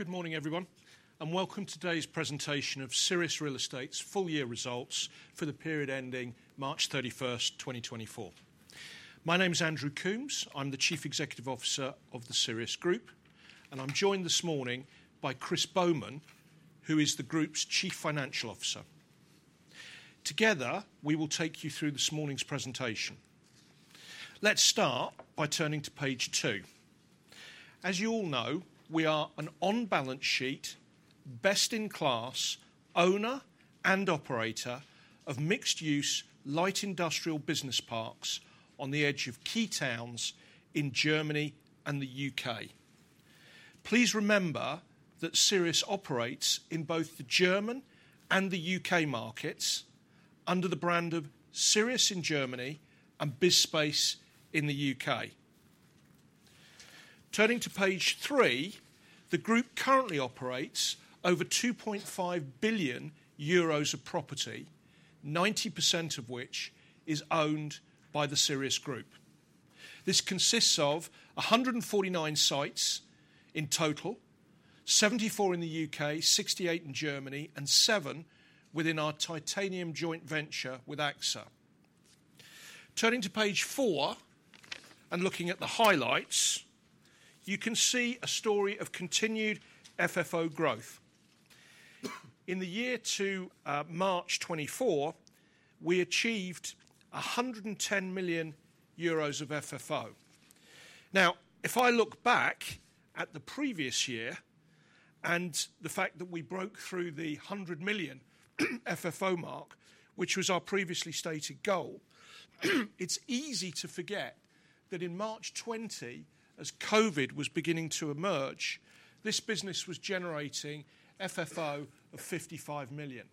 Good morning, everyone, and welcome to today's presentation of Sirius Real Estate's full-year results for the period ending March 31, 2024. My name is Andrew Coombs. I'm the Chief Executive Officer of the Sirius Group, and I'm joined this morning by Chris Bowman, who is the group's Chief Financial Officer. Together, we will take you through this morning's presentation. Let's start by turning to page two. As you all know, we are an on-balance sheet, best-in-class, owner and operator of mixed-use, light industrial business parks on the edge of key towns in Germany and the U.K. Please remember that Sirius operates in both the German and the U.K. markets under the brand of Sirius in Germany and BizSpace in the U.K. Turning to page three, the group currently operates over 2.5 billion euros of property, 90% of which is owned by the Sirius Group. This consists of 149 sites in total, 74 in the U.K., 68 in Germany, and seven within our Titanium joint venture with AXA. Turning to page four and looking at the highlights, you can see a story of continued FFO growth. In the year to March 2024, we achieved 110 million euros of FFO. Now, if I look back at the previous year and the fact that we broke through the 100 million FFO mark, which was our previously stated goal, it's easy to forget that in March 2020, as COVID was beginning to emerge, this business was generating FFO of 55 million.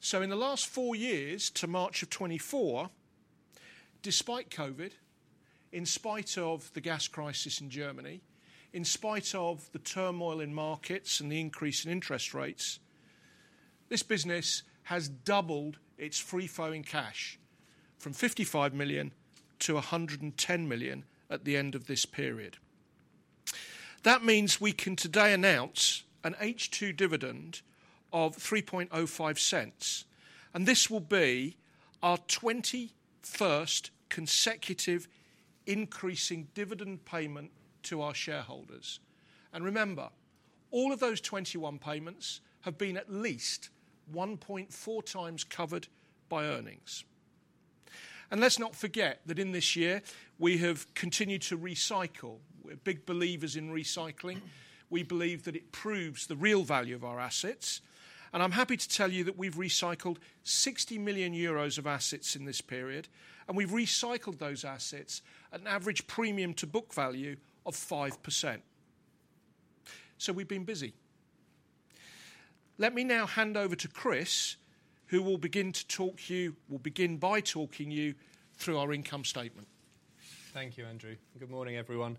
So in the last four years to March 2024, despite COVID, in spite of the gas crisis in Germany, in spite of the turmoil in markets and the increase in interest rates, this business has doubled its free flowing cash from 55 million to 110 million at the end of this period. That means we can today announce an H2 dividend of 0.0305, and this will be our 21st consecutive increasing dividend payment to our shareholders. And remember, all of those 21 payments have been at least 1.4 times covered by earnings. And let's not forget that in this year, we have continued to recycle. We're big believers in recycling. We believe that it proves the real value of our assets, and I'm happy to tell you that we've recycled 60 million euros of assets in this period, and we've recycled those assets at an average premium to book value of 5%. So we've been busy. Let me now hand over to Chris, who will begin by talking you through our income statement. Thank you, Andrew. Good morning, everyone.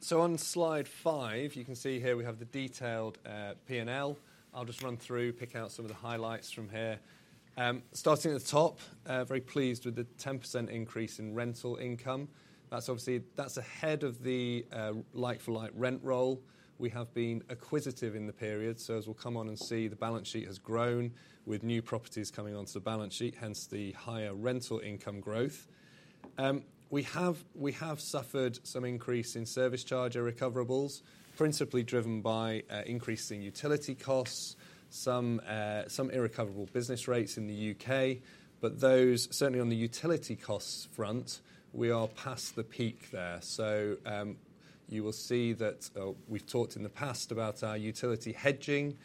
So on slide five, you can see here we have the detailed P&L. I'll just run through, pick out some of the highlights from here. Starting at the top, very pleased with the 10% increase in rental income. That's obviously. That's ahead of the like-for-like rent roll. We have been acquisitive in the period, so as we'll come on and see, the balance sheet has grown with new properties coming onto the balance sheet, hence the higher rental income growth. We have, we have suffered some increase in service charge irrecoverables, principally driven by increasing utility costs, some some irrecoverable business rates in the U.K. But those, certainly on the utility costs front, we are past the peak there. So, you will see that, we've talked in the past about our utility hedging.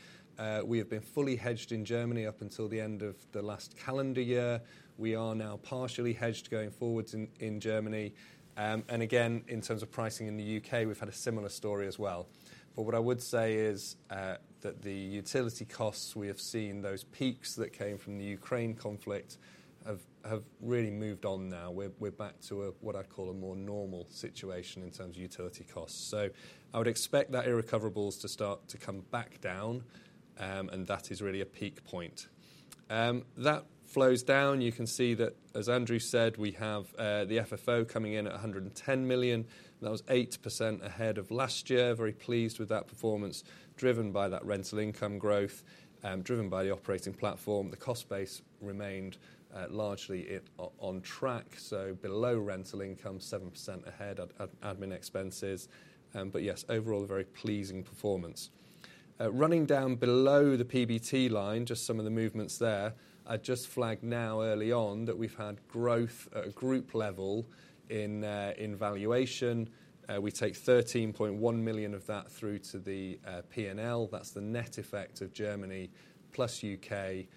We have been fully hedged in Germany up until the end of the last calendar year. We are now partially hedged going forwards in Germany. And again, in terms of pricing in the U.K., we've had a similar story as well. But what I would say is, that the utility costs, we have seen those peaks that came from the Ukraine conflict have really moved on now. We're back to a, what I'd call a more normal situation in terms of utility costs. So I would expect that irrecoverables to start to come back down, and that is really a peak point. That flows down. You can see that, as Andrew said, we have the FFO coming in at 110 million. That was 8% ahead of last year. Very pleased with that performance, driven by that rental income growth, driven by the operating platform. The cost base remained largely on track, so below rental income, 7% ahead of admin expenses. But yes, overall, a very pleasing performance. Running down below the PBT line, just some of the movements there. I'd just flag now, early on, that we've had growth at a group level in valuation. We take 13.1 million of that through to the P&L. That's the net effect of Germany plus U.K.,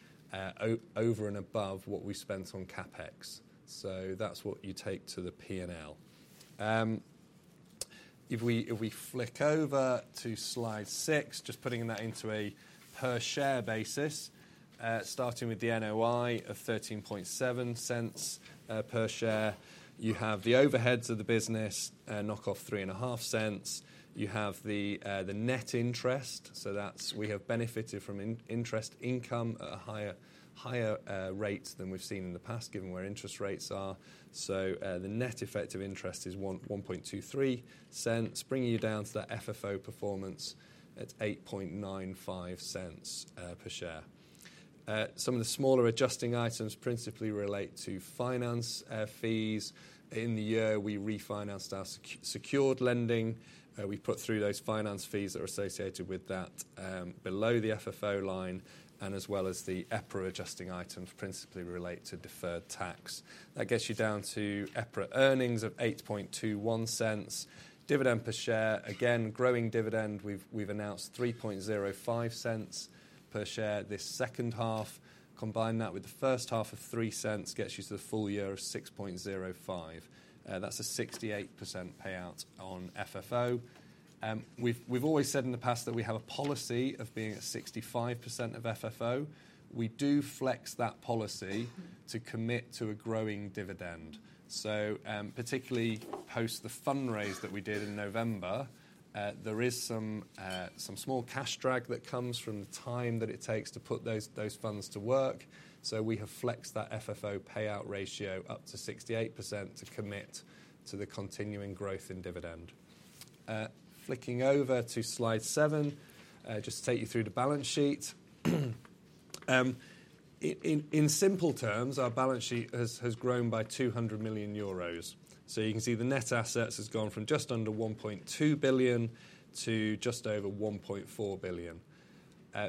over and above what we spent on CapEx. So that's what you take to the P&L. If we flick over to slide six, just putting that into a per share basis, starting with the NOI of 0.137 per share. You have the overheads of the business, knock off 0.035. You have the net interest, so that's we have benefited from interest income at a higher rate than we've seen in the past, given where interest rates are. So, the net effect of interest is 0.0123, bringing you down to that FFO performance at 0.0895 per share. Some of the smaller adjusting items principally relate to finance fees. In the year, we refinanced our secured lending. We put through those finance fees that are associated with that, below the FFO line, and as well as the EPRA adjusting items principally relate to deferred tax. That gets you down to EPRA earnings of 0.0821. Dividend per share, again, growing dividend. We've announced 0.0305 per share this second half. Combine that with the first half of 0.03, gets you to the full year of 0.0605. That's a 68% payout on FFO. We've always said in the past that we have a policy of being at 65% of FFO. We do flex that policy to commit to a growing dividend. So, particularly post the fundraise that we did in November, there is some small cash drag that comes from the time that it takes to put those funds to work. So we have flexed that FFO payout ratio up to 68% to commit to the continuing growth in dividend. Flicking over to slide seven, just to take you through the balance sheet. In simple terms, our balance sheet has grown by 200 million euros. So you can see the net assets has gone from just under 1.2 billion to just over 1.4 billion.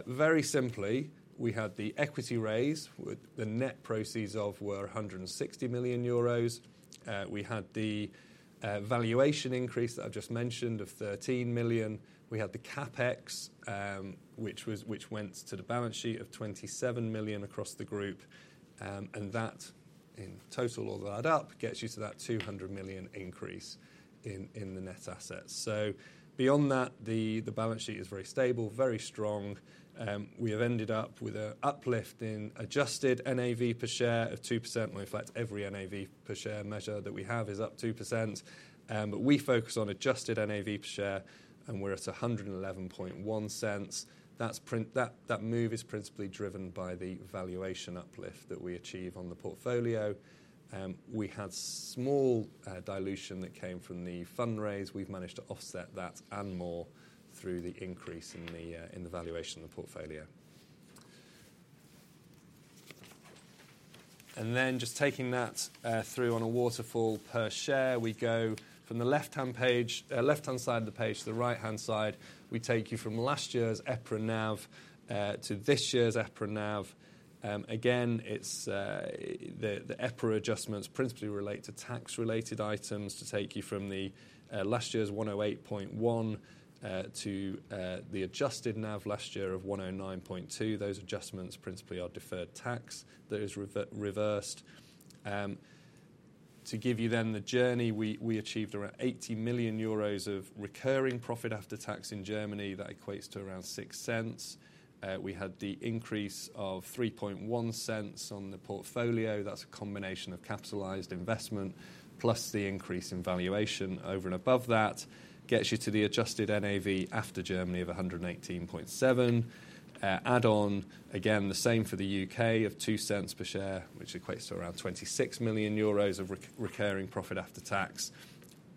Very simply, we had the equity raise, with the net proceeds were 160 million euros. We had the valuation increase that I've just mentioned of 13 million. We had the CapEx, which went to the balance sheet of 27 million across the group. And that, in total, all that add up, gets you to that 200 million increase in the net assets. So beyond that, the balance sheet is very stable, very strong. We have ended up with a uplift in adjusted NAV per share of 2%. Well, in fact, every NAV per share measure that we have is up 2%. But we focus on adjusted NAV per share, and we're at 1.111. That move is principally driven by the valuation uplift that we achieve on the portfolio. We had small dilution that came from the fundraise. We've managed to offset that and more through the increase in the valuation of the portfolio. And then just taking that through on a waterfall per share, we go from the left-hand page, left-hand side of the page to the right-hand side. We take you from last year's EPRA NAV to this year's EPRA NAV. Again, it's the EPRA adjustments principally relate to tax-related items to take you from last year's 108.1 to the adjusted NAV last year of 109.2. Those adjustments principally are deferred tax that is reversed. To give you then the journey, we achieved around 80 million euros of recurring profit after tax in Germany. That equates to around 0.06. We had the increase of 0.031 on the portfolio. That's a combination of capitalized investment, plus the increase in valuation over and above that, gets you to the adjusted NAV after Germany of 118.7. Add on, again, the same for the U.K. of 0.02 per share, which equates to around 26 million euros of recurring profit after tax.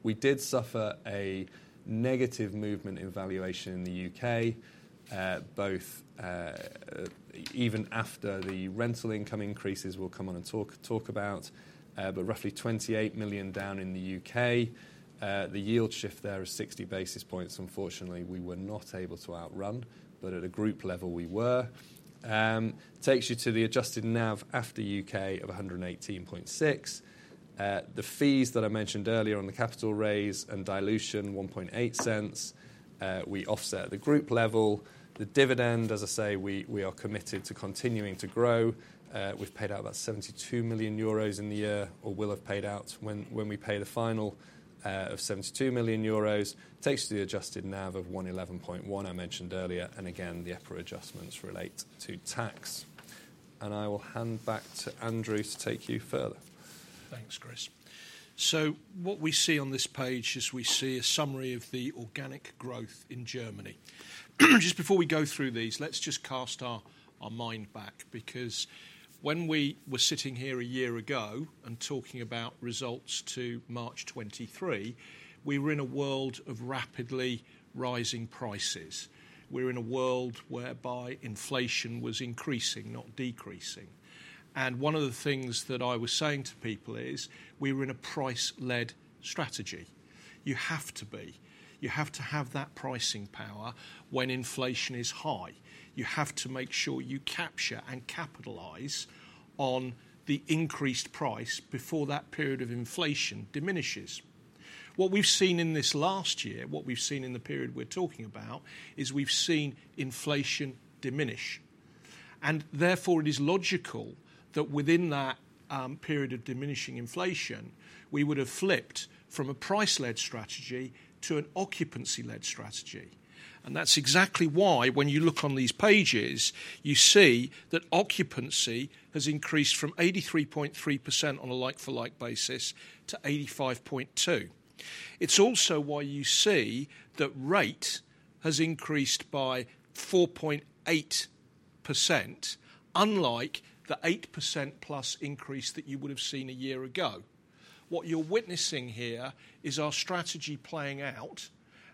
We did suffer a negative movement in valuation in the U.K., both even after the rental income increases we'll come on and talk about, but roughly 28 million down in the U.K. The yield shift there is 60 basis points. Unfortunately, we were not able to outrun, but at a group level, we were. Takes you to the adjusted NAV after U.K. of 118.6. The fees that I mentioned earlier on the capital raise and dilution, 0.018, we offset at the group level. The dividend, as I say, we, we are committed to continuing to grow. We've paid out about 72 million euros in the year or will have paid out when, when we pay the final, of 72 million euros. Takes you to the adjusted NAV of 111.1 I mentioned earlier, and again, the EPRA adjustments relate to tax. I will hand back to Andrew to take you further. Thanks, Chris. So what we see on this page is we see a summary of the organic growth in Germany. Just before we go through these, let's just cast our mind back, because when we were sitting here a year ago and talking about results to March 2023, we were in a world of rapidly rising prices. We were in a world whereby inflation was increasing, not decreasing. And one of the things that I was saying to people is: we were in a price-led strategy. You have to be. You have to have that pricing power when inflation is high. You have to make sure you capture and capitalize on the increased price before that period of inflation diminishes. What we've seen in this last year, what we've seen in the period we're talking about, is we've seen inflation diminish, and therefore, it is logical that within that period of diminishing inflation, we would have flipped from a price-led strategy to an occupancy-led strategy. And that's exactly why, when you look on these pages, you see that occupancy has increased from 83.3% on a like-for-like basis to 85.2%. It's also why you see that rate has increased by 4.8%, unlike the 8%+ increase that you would have seen a year ago. What you're witnessing here is our strategy playing out,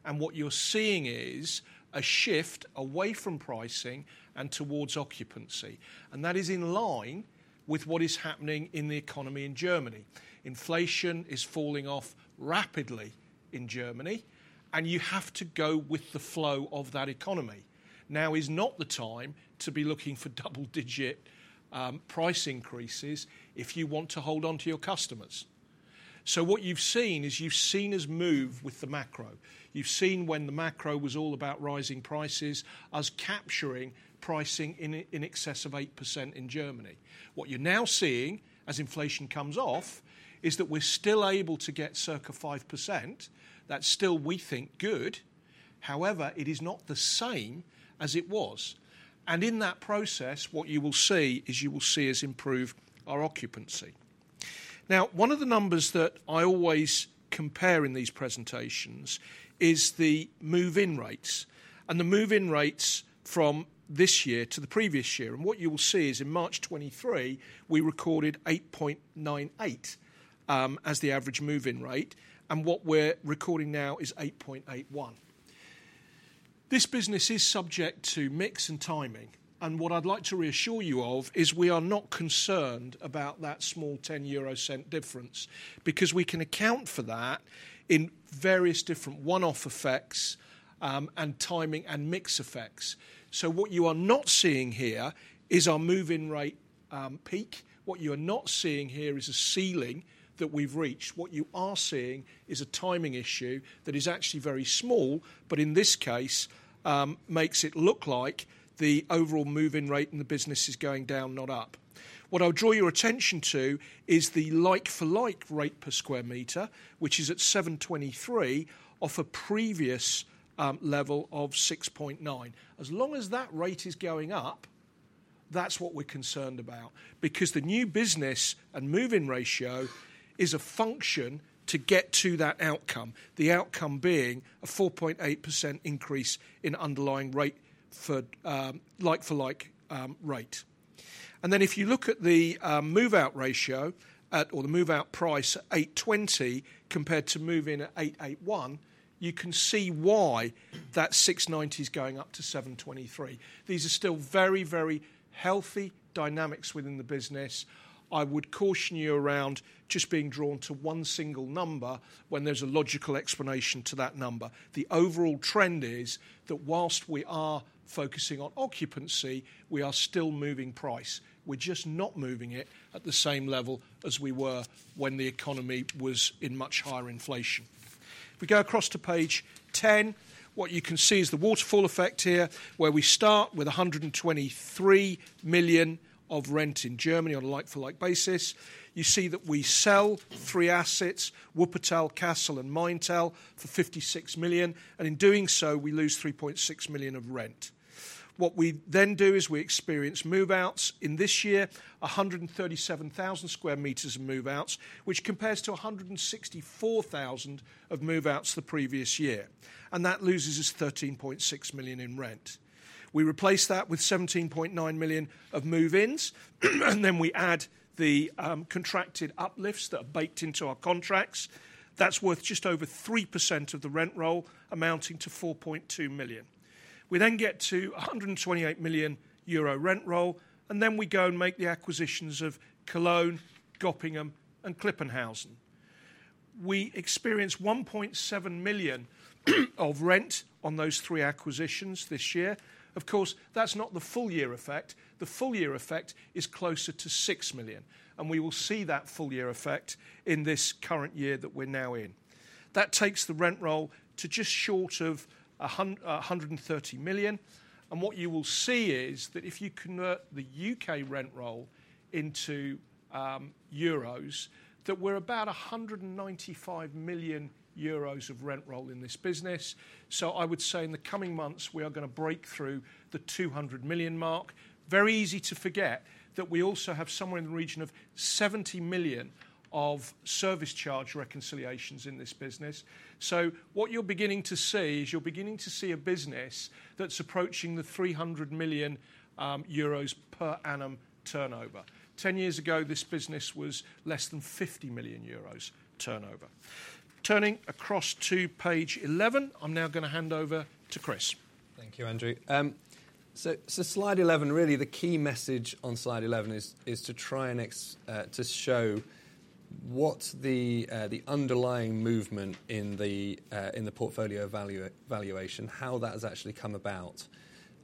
and what you're seeing is a shift away from pricing and towards occupancy, and that is in line with what is happening in the economy in Germany. Inflation is falling off rapidly in Germany, and you have to go with the flow of that economy. Now is not the time to be looking for double-digit price increases if you want to hold on to your customers. So what you've seen is you've seen us move with the macro. You've seen when the macro was all about rising prices, us capturing pricing in excess of 8% in Germany. What you're now seeing, as inflation comes off, is that we're still able to get circa 5%. That's still, we think, good. However, it is not the same as it was, and in that process, what you will see is you will see us improve our occupancy. Now, one of the numbers that I always compare in these presentations is the move-in rates and the move-in rates from this year to the previous year. What you will see is, in March 2023, we recorded 8.98 as the average move-in rate, and what we're recording now is 8.81. This business is subject to mix and timing, and what I'd like to reassure you of is we are not concerned about that small 0.10 difference, because we can account for that in various different one-off effects, and timing and mix effects. What you are not seeing here is our move-in rate peak. What you are not seeing here is a ceiling that we've reached. What you are seeing is a timing issue that is actually very small, but in this case, makes it look like the overall move-in rate in the business is going down, not up. What I'll draw your attention to is the like-for-like rate per square meter, which is at 7.23, off a previous level of 6.9. As long as that rate is going up, that's what we're concerned about because the new business and move-in ratio is a function to get to that outcome, the outcome being a 4.8% increase in underlying rate for like-for-like rate. And then, if you look at the move-out ratio at or the move-out price, 8.20, compared to move-in at 8.81, you can see why that 6.90 is going up to 7.23. These are still very, very healthy dynamics within the business. I would caution you around just being drawn to one single number when there's a logical explanation to that number. The overall trend is that while we are focusing on occupancy, we are still moving price. We're just not moving it at the same level as we were when the economy was in much higher inflation. If we go across to page 10, what you can see is the waterfall effect here, where we start with 123 million of rent in Germany on a like-for-like basis. You see that we sell three assets, Wuppertal, Kassel, and Maintal, for 56 million, and in doing so, we lose 3.6 million of rent. What we then do is we experience move-outs. In this year, 137,000 square meters of move-outs, which compares to 164,000 of move-outs the previous year, and that loses us 13.6 million in rent. We replace that with 17.9 million of move-ins, and then we add the contracted uplifts that are baked into our contracts. That's worth just over 3% of the rent roll, amounting to 4.2 million. We then get to a 128 million euro rent roll, and then we go and make the acquisitions of Cologne, Göppingen, and Klipphausen. We experience 1.7 million of rent on those three acquisitions this year. Of course, that's not the full year effect. The full year effect is closer to 6 million, and we will see that full year effect in this current year that we're now in. That takes the rent roll to just short of 130 million, and what you will see is that if you convert the U.K. rent roll into euros, that we're about 195 million euros of rent roll in this business. So I would say in the coming months, we are going to break through the 200 million mark. Very easy to forget that we also have somewhere in the region of 70 million of service charge reconciliations in this business. So what you're beginning to see is you're beginning to see a business that's approaching the 300 million euros per annum turnover. 10 years ago, this business was less than 50 million euros turnover. Turning across to page 11, I'm now going to hand over to Chris. Thank you, Andrew. So slide 11, really the key message on slide 11 is to try and to show what's the underlying movement in the portfolio valuation, how that has actually come about.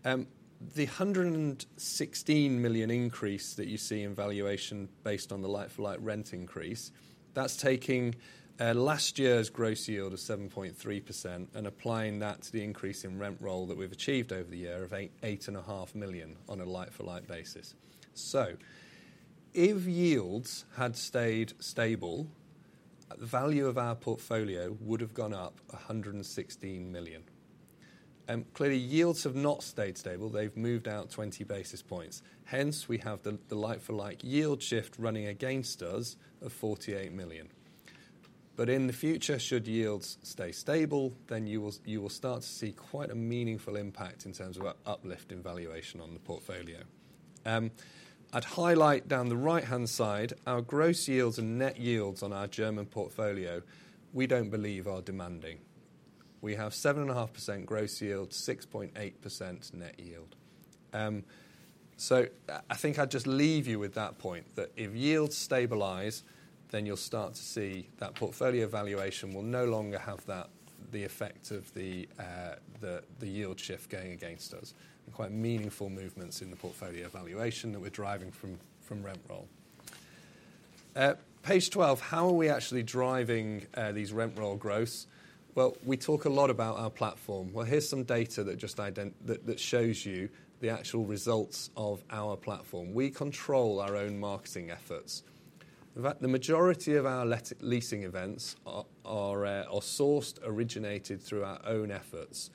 The 116 million increase that you see in valuation, based on the like-for-like rent increase, that's taking last year's gross yield of 7.3% and applying that to the increase in rent roll that we've achieved over the year of 8.5 million on a like-for-like basis. So if yields had stayed stable, the value of our portfolio would have gone up 116 million. Clearly, yields have not stayed stable. They've moved out 20 basis points. Hence, we have the like-for-like yield shift running against us of 48 million. But in the future, should yields stay stable, then you will start to see quite a meaningful impact in terms of our uplift in valuation on the portfolio. I'd highlight down the right-hand side, our gross yields and net yields on our German portfolio, we don't believe are demanding. We have 7.5% gross yield, 6.8% net yield. So I think I'd just leave you with that point, that if yields stabilize, then you'll start to see that portfolio valuation will no longer have that, the effect of the yield shift going against us, and quite meaningful movements in the portfolio valuation that we're driving from rent roll. Page 12, how are we actually driving these rent roll growths? Well, we talk a lot about our platform. Well, here's some data that just that, that shows you the actual results of our platform. We control our own marketing efforts. In fact, the majority of our leasing events are sourced, originated through our own efforts.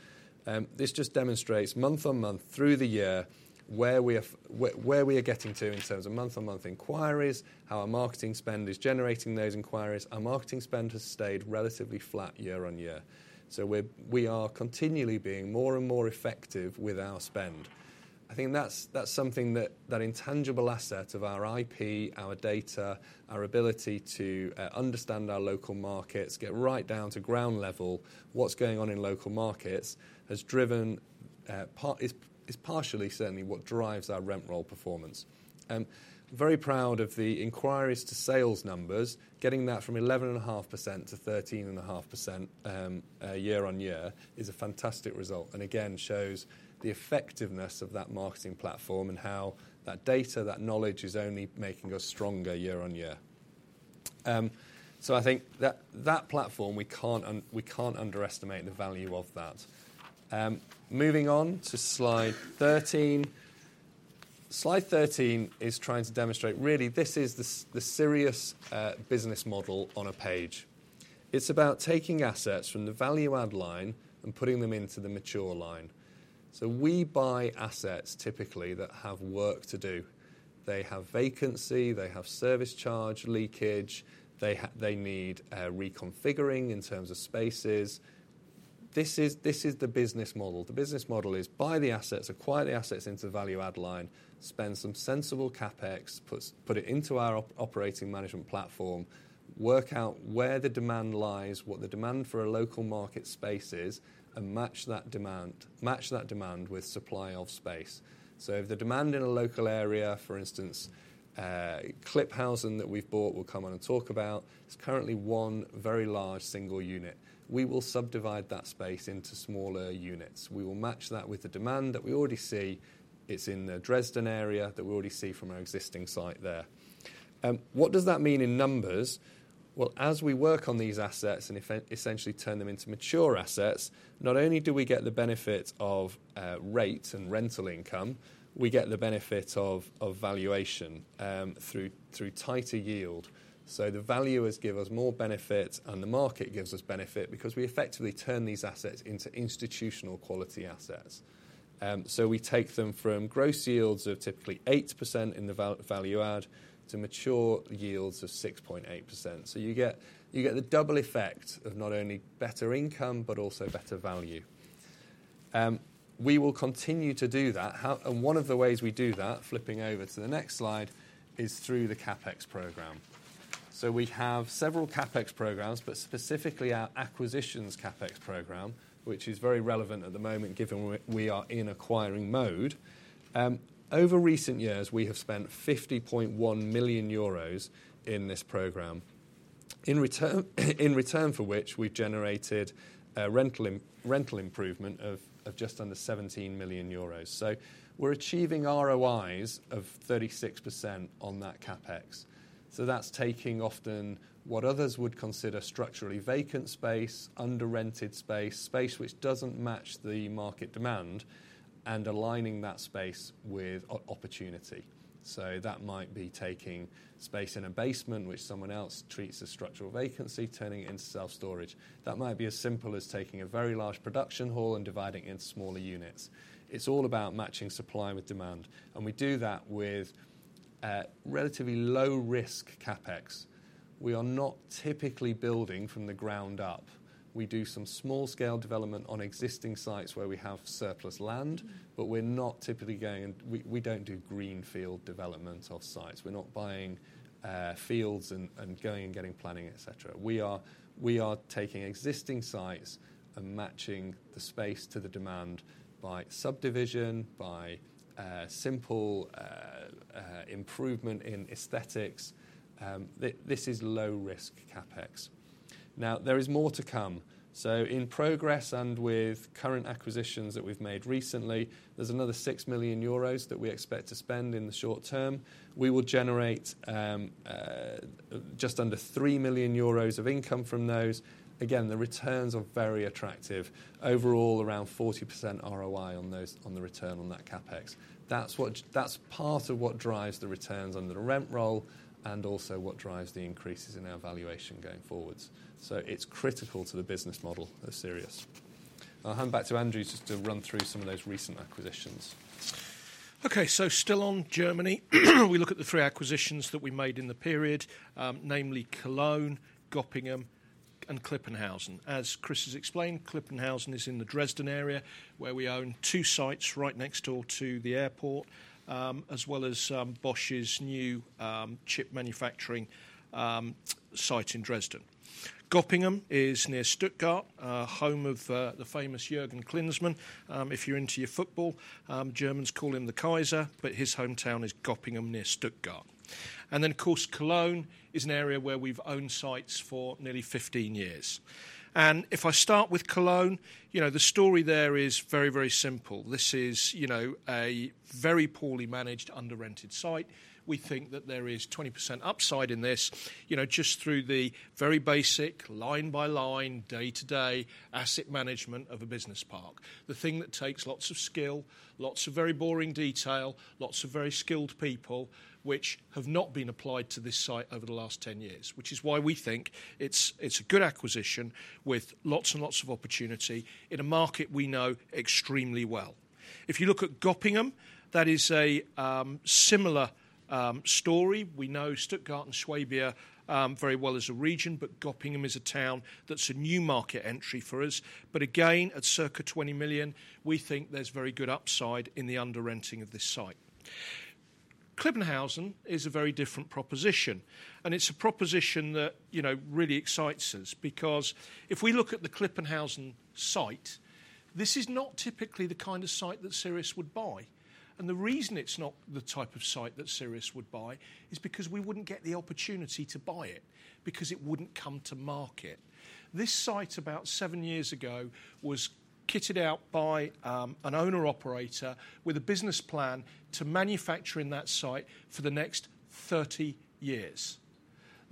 This just demonstrates month-on-month, through the year, where we are where we are getting to in terms of month-on-month inquiries, how our marketing spend is generating those inquiries. Our marketing spend has stayed relatively flat year-on-year. So we are continually being more and more effective with our spend. I think that's something that intangible asset of our IP, our data, our ability to understand our local markets, get right down to ground level, what's going on in local markets, has driven. Is partially certainly what drives our rent roll performance. Very proud of the inquiries to sales numbers, getting that from 11.5% to 13.5%, year-on-year, is a fantastic result, and again, shows the effectiveness of that marketing platform and how that data, that knowledge, is only making us stronger year-on-year. So I think that platform, we can't underestimate the value of that. Moving on to slide 13. Slide 13 is trying to demonstrate, really, this is the Sirius business model on a page. It's about taking assets from the value add line and putting them into the mature line. So we buy assets typically that have work to do. They have vacancy, they have service charge leakage, they need reconfiguring in terms of spaces. This is the business model. The business model is buy the assets, acquire the assets into the value add line, spend some sensible CapEx, put it into our operating management platform, work out where the demand lies, what the demand for a local market space is, and match that demand, match that demand with supply of space. So if the demand in a local area, for instance, Klipphausen, that we've bought, we'll come on and talk about, it's currently one very large single unit. We will subdivide that space into smaller units. We will match that with the demand that we already see. It's in the Dresden area, that we already see from our existing site there. What does that mean in numbers? Well, as we work on these assets and essentially turn them into mature assets, not only do we get the benefit of rate and rental income, we get the benefit of valuation through tighter yield. So the value has give us more benefit, and the market gives us benefit because we effectively turn these assets into institutional quality assets. So we take them from gross yields of typically 8% in the value add, to mature yields of 6.8%. So you get the double effect of not only better income, but also better value. We will continue to do that. And one of the ways we do that, flipping over to the next slide, is through the CapEx program. So we have several CapEx programs, but specifically our acquisitions CapEx program, which is very relevant at the moment, given we are in acquiring mode. Over recent years, we have spent 50.1 million euros in this program. In return, in return for which, we've generated a rental improvement of just under 17 million euros. So we're achieving ROIs of 36% on that CapEx. So that's taking often what others would consider structurally vacant space, under-rented space, space which doesn't match the market demand, and aligning that space with opportunity. So that might be taking space in a basement, which someone else treats as structural vacancy, turning it into self-storage. That might be as simple as taking a very large production hall and dividing it into smaller units. It's all about matching supply with demand, and we do that with relatively low-risk CapEx. We are not typically building from the ground up. We do some small-scale development on existing sites where we have surplus land, but we're not typically going. We don't do greenfield development of sites. We're not buying fields and going and getting planning, et cetera. We are taking existing sites and matching the space to the demand by subdivision, by simple improvement in aesthetics. This is low-risk CapEx. Now, there is more to come. So in progress and with current acquisitions that we've made recently, there's another 6 million euros that we expect to spend in the short term. We will generate just under 3 million euros of income from those. Again, the returns are very attractive. Overall, around 40% ROI on those, on the return on that CapEx. That's what, that's part of what drives the returns under the rent roll, and also what drives the increases in our valuation going forward. So it's critical to the business model of Sirius. I'll hand back to Andrew just to run through some of those recent acquisitions. Okay, so still on Germany, we look at the three acquisitions that we made in the period, namely Cologne, Göppingen, and Klipphausen. As Chris has explained, Klipphausen is in the Dresden area, where we own two sites right next door to the airport, as well as Bosch's new chip manufacturing site in Dresden. Göppingen is near Stuttgart, home of the famous Jürgen Klinsmann, if you're into your football. Germans call him the Kaiser, but his hometown is Göppingen, near Stuttgart. And then, of course, Cologne is an area where we've owned sites for nearly 15 years. And if I start with Cologne, you know, the story there is very, very simple. This is, you know, a very poorly managed, under-rented site. We think that there is 20% upside in this, you know, just through the very basic line-by-line, day-to-day asset management of a business park. The thing that takes lots of skill, lots of very boring detail, lots of very skilled people, which have not been applied to this site over the last 10 years. Which is why we think it's a good acquisition with lots and lots of opportunity in a market we know extremely well. If you look at Göppingen, that is a similar story. We know Stuttgart and Swabia very well as a region, but Göppingen is a town that's a new market entry for us. But again, at circa 20 million, we think there's very good upside in the under-renting of this site. Klipphausen is a very different proposition, and it's a proposition that, you know, really excites us. Because if we look at the Klipphausen site, this is not typically the kind of site that Sirius would buy. And the reason it's not the type of site that Sirius would buy is because we wouldn't get the opportunity to buy it, because it wouldn't come to market. This site, about seven years ago, was kitted out by an owner-operator with a business plan to manufacture in that site for the next 30 years.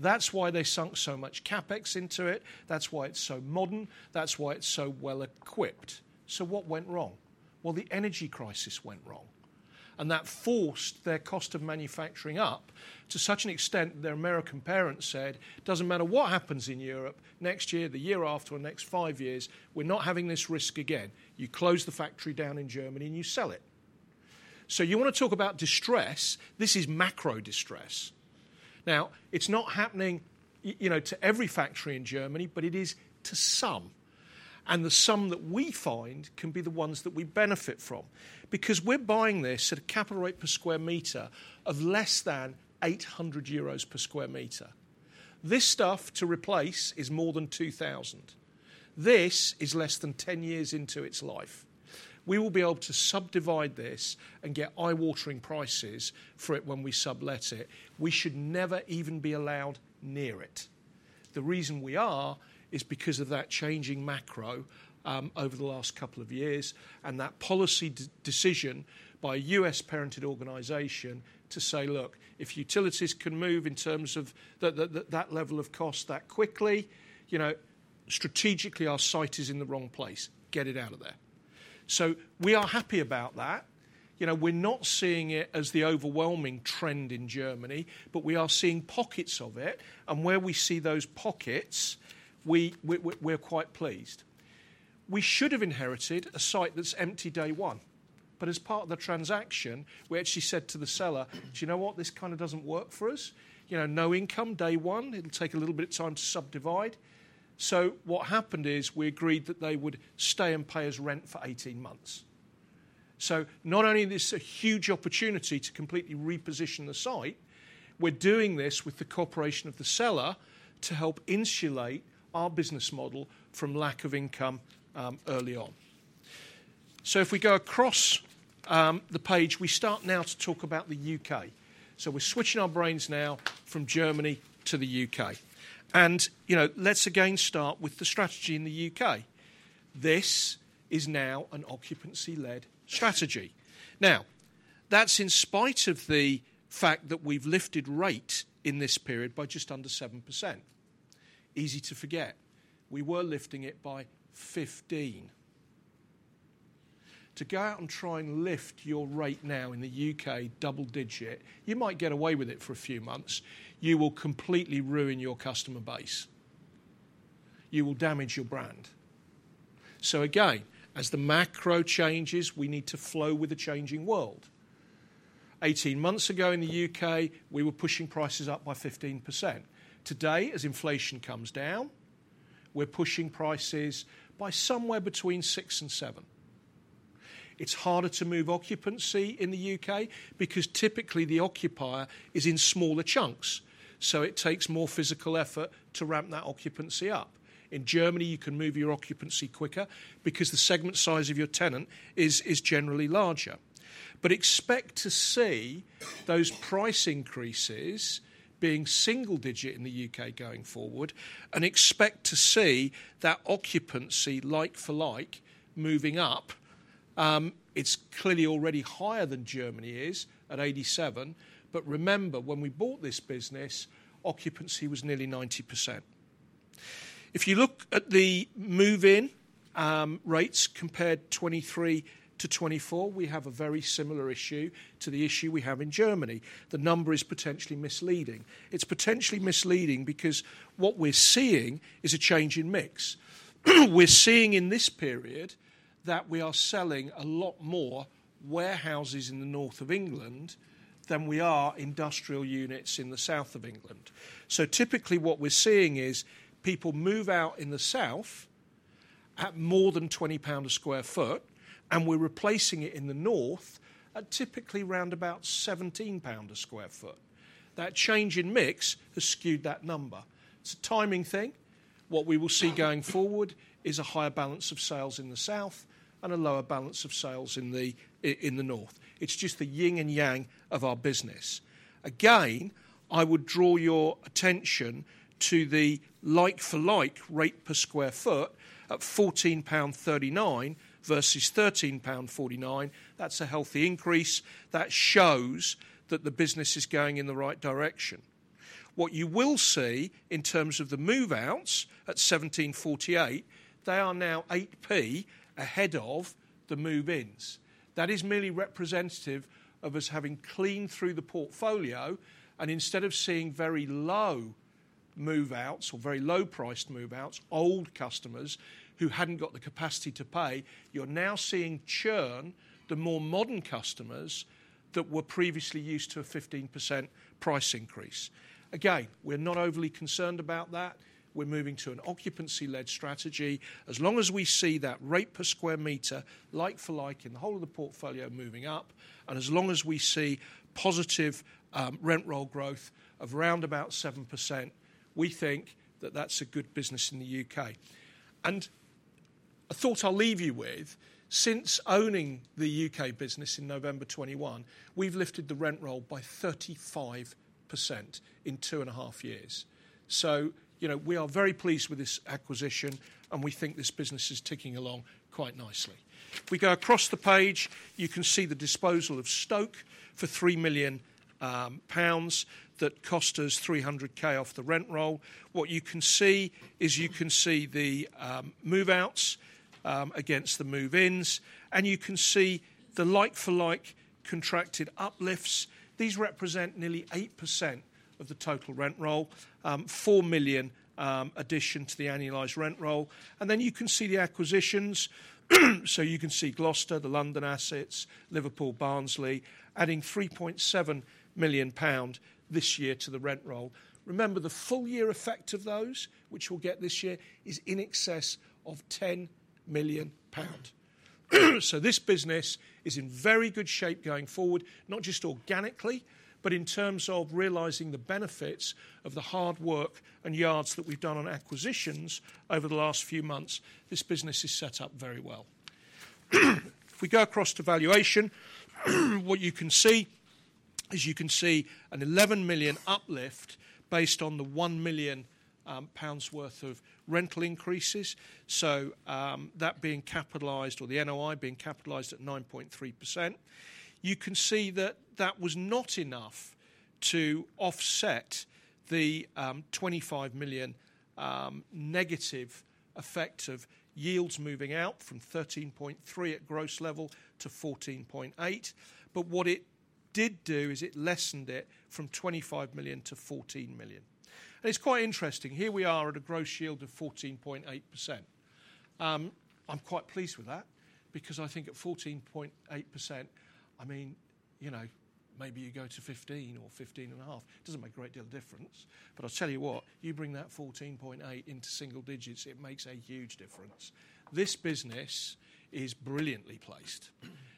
That's why they sunk so much CapEx into it. That's why it's so modern. That's why it's so well-equipped. So what went wrong? Well, the energy crisis went wrong, and that forced their cost of manufacturing up to such an extent their American parents said, "Doesn't matter what happens in Europe next year, the year after, or next five years, we're not having this risk again. You close the factory down in Germany, and you sell it." So you want to talk about distress? This is macro distress. Now, it's not happening, you know, to every factory in Germany, but it is to some, and the some that we find can be the ones that we benefit from. Because we're buying this at a capital rate per square meter of less than 800 euros per sq m. This stuff, to replace, is more than 2,000. This is less than 10 years into its life. We will be able to subdivide this and get eye-watering prices for it when we sublet it. We should never even be allowed near it. The reason we are is because of that changing macro over the last couple of years, and that policy decision by a US-parented organization to say, "Look, if utilities can move in terms of that level of cost that quickly, you know, strategically, our site is in the wrong place. Get it out of there." So we are happy about that. You know, we're not seeing it as the overwhelming trend in Germany, but we are seeing pockets of it, and where we see those pockets, we're quite pleased. We should have inherited a site that's empty day one, but as part of the transaction, we actually said to the seller, "Do you know what? This kind of doesn't work for us. You know, no income day one, it'll take a little bit of time to subdivide." So what happened is, we agreed that they would stay and pay us rent for 18 months. So not only is this a huge opportunity to completely reposition the site, we're doing this with the cooperation of the seller to help insulate our business model from lack of income early on. So if we go across the page, we start now to talk about the U.K. So we're switching our brains now from Germany to the U.K. And, you know, let's again start with the strategy in the U.K. This is now an occupancy-led strategy. Now, that's in spite of the fact that we've lifted rate in this period by just under 7%. Easy to forget. We were lifting it by 15%. To go out and try and lift your rate now in the U.K., double-digit, you might get away with it for a few months. You will completely ruin your customer base. You will damage your brand. So again, as the macro changes, we need to flow with the changing world. 18 months ago in the U.K., we were pushing prices up by 15%. Today, as inflation comes down, we're pushing prices by somewhere between 6% and 7%. It's harder to move occupancy in the U.K. because typically the occupier is in smaller chunks, so it takes more physical effort to ramp that occupancy up. In Germany, you can move your occupancy quicker because the segment size of your tenant is generally larger. But expect to see those price increases being single-digit in the U.K. going forward, and expect to see that occupancy like for like moving up. It's clearly already higher than Germany is, at 87%, but remember, when we bought this business, occupancy was nearly 90%. If you look at the move-in rates compared 2023 to 2024, we have a very similar issue to the issue we have in Germany. The number is potentially misleading. It's potentially misleading because what we're seeing is a change in mix. We're seeing in this period that we are selling a lot more warehouses in the north of England than we are industrial units in the south of England. So typically, what we're seeing is people move out in the south at more than 20 pound a sq ft, and we're replacing it in the north at typically around about 17 pound a sq ft. That change in mix has skewed that number. It's a timing thing. What we will see going forward is a higher balance of sales in the south and a lower balance of sales in the in the north. It's just the yin and yang of our business. Again, I would draw your attention to the like-for-like rate per sq ft at 14.39 pound versus 13.49 pound. That's a healthy increase that shows that the business is going in the right direction. What you will see in terms of the move-outs, at 17.48, they are now 0.08 ahead of the move-ins. That is merely representative of us having cleaned through the portfolio, and instead of seeing very low move-outs or very low-priced move-outs, old customers who hadn't got the capacity to pay, you're now seeing churn, the more modern customers that were previously used to a 15% price increase. Again, we're not overly concerned about that. We're moving to an occupancy-led strategy. As long as we see that rate per square meter, like-for-like, in the whole of the portfolio moving up, and as long as we see positive rent roll growth of around about 7%, we think that that's a good business in the U.K. And a thought I'll leave you with, since owning the U.K. business in November 2021, we've lifted the rent roll by 35% in two and a half years. So, you know, we are very pleased with this acquisition, and we think this business is ticking along quite nicely. If we go across the page, you can see the disposal of Stoke for 3 million pounds, that cost us 300K off the rent roll. What you can see is you can see the move-outs against the move-ins, and you can see the like-for-like contracted uplifts. These represent nearly 8% of the total rent roll, 4 million addition to the annualized rent roll. And then you can see the acquisitions. So you can see Gloucester, the London assets, Liverpool, Barnsley, adding 3.7 million pound this year to the rent roll. Remember, the full year effect of those, which we'll get this year, is in excess of 10 million pound. So this business is in very good shape going forward, not just organically, but in terms of realizing the benefits of the hard work and yards that we've done on acquisitions over the last few months. This business is set up very well. If we go across to valuation, what you can see is you can see a 11 million uplift based on the 1 million pounds worth of rental increases. So, that being capitalized or the NOI being capitalized at 9.3%, you can see that that was not enough to offset the, 25 million negative effect of yields moving out from 13.3 at gross level to 14.8. But what it did do is it lessened it from 25 million to 14 million. And it's quite interesting. Here we are at a gross yield of 14.8%. I'm quite pleased with that because I think at 14.8%, I mean, you know, maybe you go to 15 or 15.5. It doesn't make a great deal of difference. But I'll tell you what, you bring that 14.8 into single digits, it makes a huge difference. This business is brilliantly placed.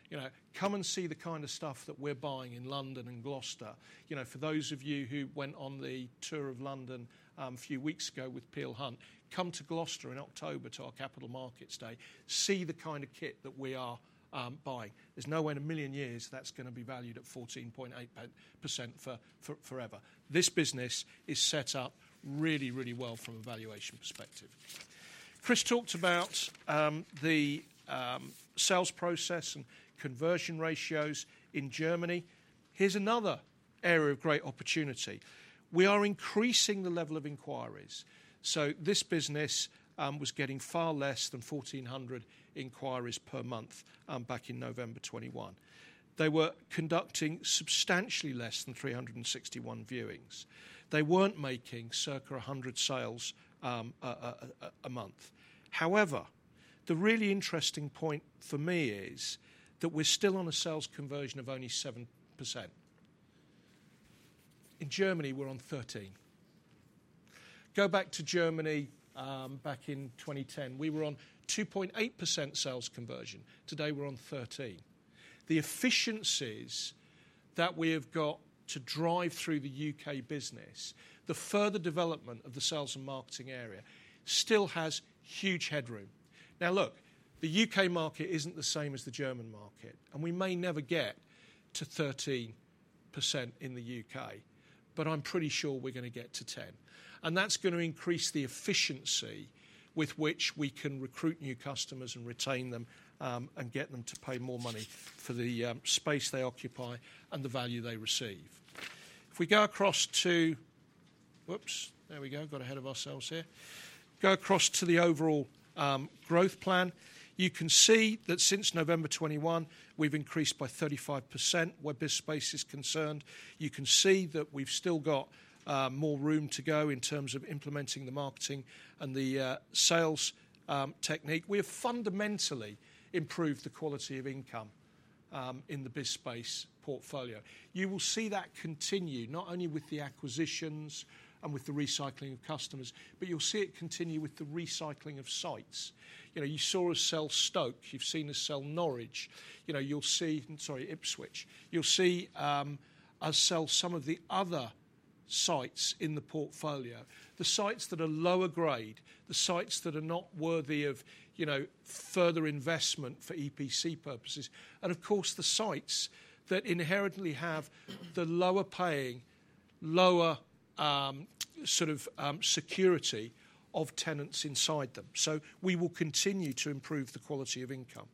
You know, come and see the kind of stuff that we're buying in London and Gloucester. You know, for those of you who went on the tour of London, a few weeks ago with Peel Hunt, come to Gloucester in October to our capital markets day. See the kind of kit that we are buying. There's no way in a million years that's gonna be valued at 14.8% for forever. This business is set up really, really well from a valuation perspective. Chris talked about the sales process and conversion ratios in Germany. Here's another area of great opportunity. We are increasing the level of inquiries. So this business was getting far less than 1,400 inquiries per month back in November 2021. They were conducting substantially less than 361 viewings. They weren't making circa 100 sales a month. However, the really interesting point for me is that we're still on a sales conversion of only 7%. In Germany, we're on 13%. Go back to Germany back in 2010, we were on 2.8% sales conversion. Today, we're on 13%. The efficiencies that we have got to drive through the U.K. business, the further development of the sales and marketing area, still has huge headroom. Now, look, the U.K. market isn't the same as the German market, and we may never get to 13% in the U.K., but I'm pretty sure we're gonna get to 10%, and that's gonna increase the efficiency with which we can recruit new customers and retain them, and get them to pay more money for the, space they occupy and the value they receive... If we go across to-- oops, there we go. Got ahead of ourselves here. Go across to the overall, growth plan, you can see that since November 2021, we've increased by 35% where BizSpace is concerned. You can see that we've still got, more room to go in terms of implementing the marketing and the, sales, technique. We have fundamentally improved the quality of income, in the BizSpace portfolio. You will see that continue not only with the acquisitions and with the recycling of customers, but you'll see it continue with the recycling of sites. You know, you saw us sell Stoke, you've seen us sell Norwich. You know, you'll see, I'm sorry, Ipswich. You'll see us sell some of the other sites in the portfolio, the sites that are lower grade, the sites that are not worthy of, you know, further investment for EPC purposes, and of course, the sites that inherently have the lower paying, lower sort of security of tenants inside them. So we will continue to improve the quality of income.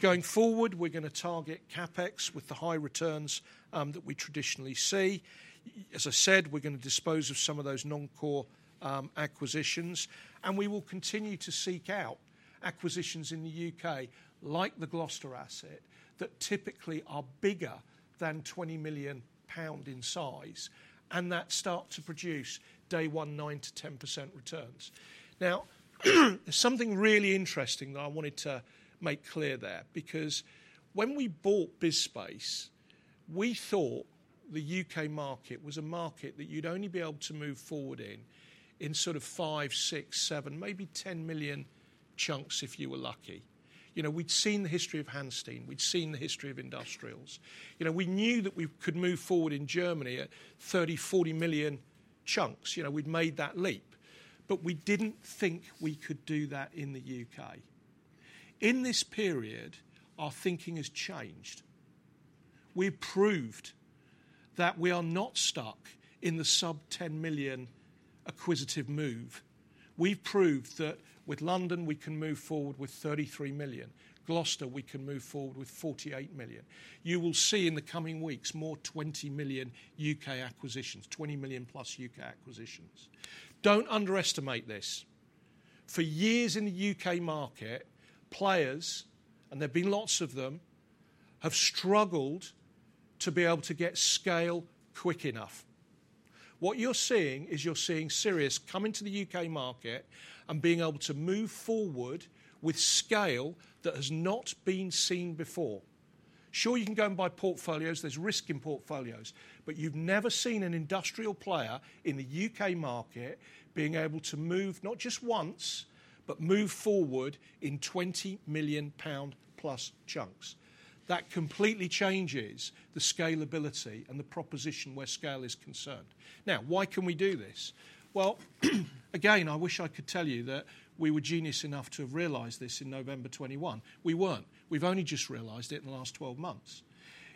Going forward, we're gonna target CapEx with the high returns that we traditionally see. As I said, we're gonna dispose of some of those non-core acquisitions, and we will continue to seek out acquisitions in the U.K., like the Gloucester asset, that typically are bigger than 20 million pound in size and that start to produce day one, 9%-10% returns. Now, something really interesting that I wanted to make clear there, because when we bought BizSpace, we thought the U.K. market was a market that you'd only be able to move forward in, in sort of five, six, seven, maybe 10 million chunks, if you were lucky. You know, we'd seen the history of Hansteen, we'd seen the history of Industrials. You know, we knew that we could move forward in Germany at 30, 40 million chunks. You know, we'd made that leap. But we didn't think we could do that in the U.K. In this period, our thinking has changed. We proved that we are not stuck in the GBP sub-10 million acquisitive move. We've proved that with London, we can move forward with 33 million. Gloucester, we can move forward with 48 million. You will see in the coming weeks, more 20 million U.K. acquisitions, 20 million plus U.K. acquisitions. Don't underestimate this. For years in the U.K. market, players, and there've been lots of them, have struggled to be able to get scale quick enough. What you're seeing is you're seeing Sirius come into the U.K. market and being able to move forward with scale that has not been seen before. Sure, you can go and buy portfolios. There's risk in portfolios, but you've never seen an industrial player in the U.K. market being able to move, not just once, but move forward in 20 million pound plus chunks. That completely changes the scalability and the proposition where scale is concerned. Now, why can we do this? Well, again, I wish I could tell you that we were genius enough to have realized this in November 2021. We weren't. We've only just realized it in the last 12 months.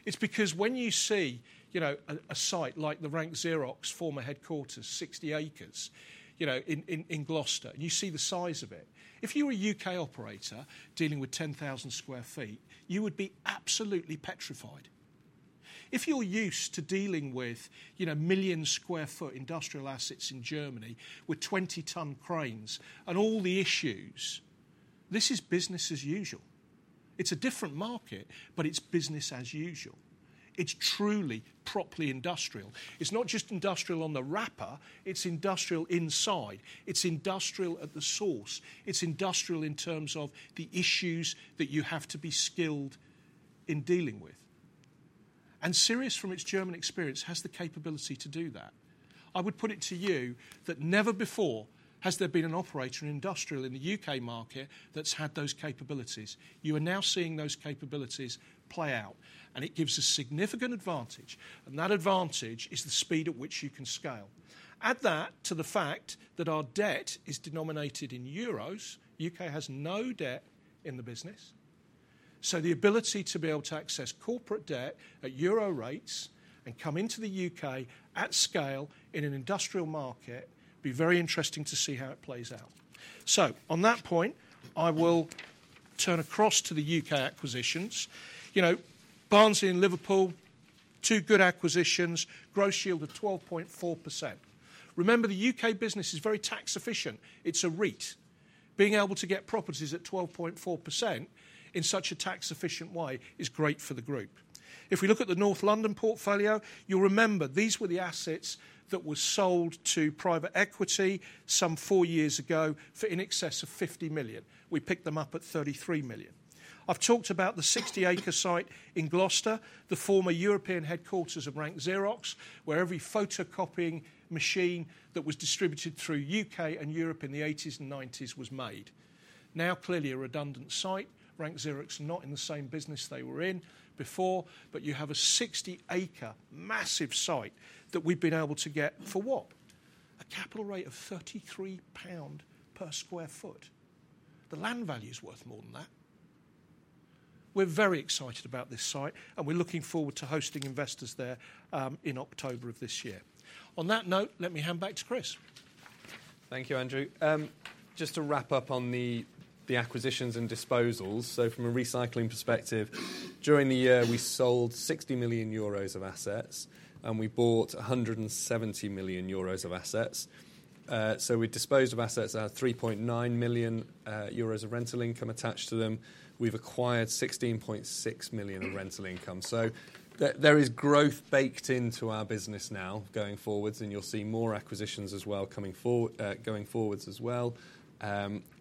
It's because when you see, you know, a site like the Rank Xerox former headquarters, 60 acres, you know, in Gloucester, and you see the size of it. If you were a U.K. operator dealing with 10,000 sq ft, you would be absolutely petrified. If you're used to dealing with, you know, million sq ft industrial assets in Germany with 20-ton cranes and all the issues, this is business as usual. It's a different market, but it's business as usual. It's truly, properly industrial. It's not just industrial on the wrapper, it's industrial inside, it's industrial at the source, it's industrial in terms of the issues that you have to be skilled in dealing with. Sirius, from its German experience, has the capability to do that. I would put it to you that never before has there been an operator in industrial in the U.K. market that's had those capabilities. You are now seeing those capabilities play out, and it gives a significant advantage, and that advantage is the speed at which you can scale. Add that to the fact that our debt is denominated in euros. U.K. has no debt in the business, so the ability to be able to access corporate debt at euro rates and come into the U.K. at scale in an industrial market, be very interesting to see how it plays out. So on that point, I will turn across to the U.K. acquisitions. You know, Barnsley and Liverpool, two good acquisitions, gross yield of 12.4%. Remember, the U.K. business is very tax efficient. It's a REIT. Being able to get properties at 12.4% in such a tax-efficient way is great for the group. If we look at the North London portfolio, you'll remember these were the assets that were sold to private equity some four years ago for in excess of 50 million. We picked them up at 33 million. I've talked about the 60-acre site in Gloucester, the former European headquarters of Rank Xerox, where every photocopying machine that was distributed through U.K. and Europe in the eighties and nineties was made. Now, clearly a redundant site. Rank Xerox are not in the same business they were in before, but you have a 60-acre massive site that we've been able to get, for what? A capital rate of 33 pound per sq ft. The land value is worth more than that. We're very excited about this site, and we're looking forward to hosting investors there in October of this year. On that note, let me hand back to Chris. Thank you, Andrew. Just to wrap up on the acquisitions and disposals. So from a recycling perspective, during the year, we sold 60 million euros of assets, and we bought 170 million euros of assets. So we disposed of assets that had 3.9 million euros of rental income attached to them. We've acquired 16.6 million of rental income. So there is growth baked into our business now going forwards, and you'll see more acquisitions as well coming forward, going forwards as well,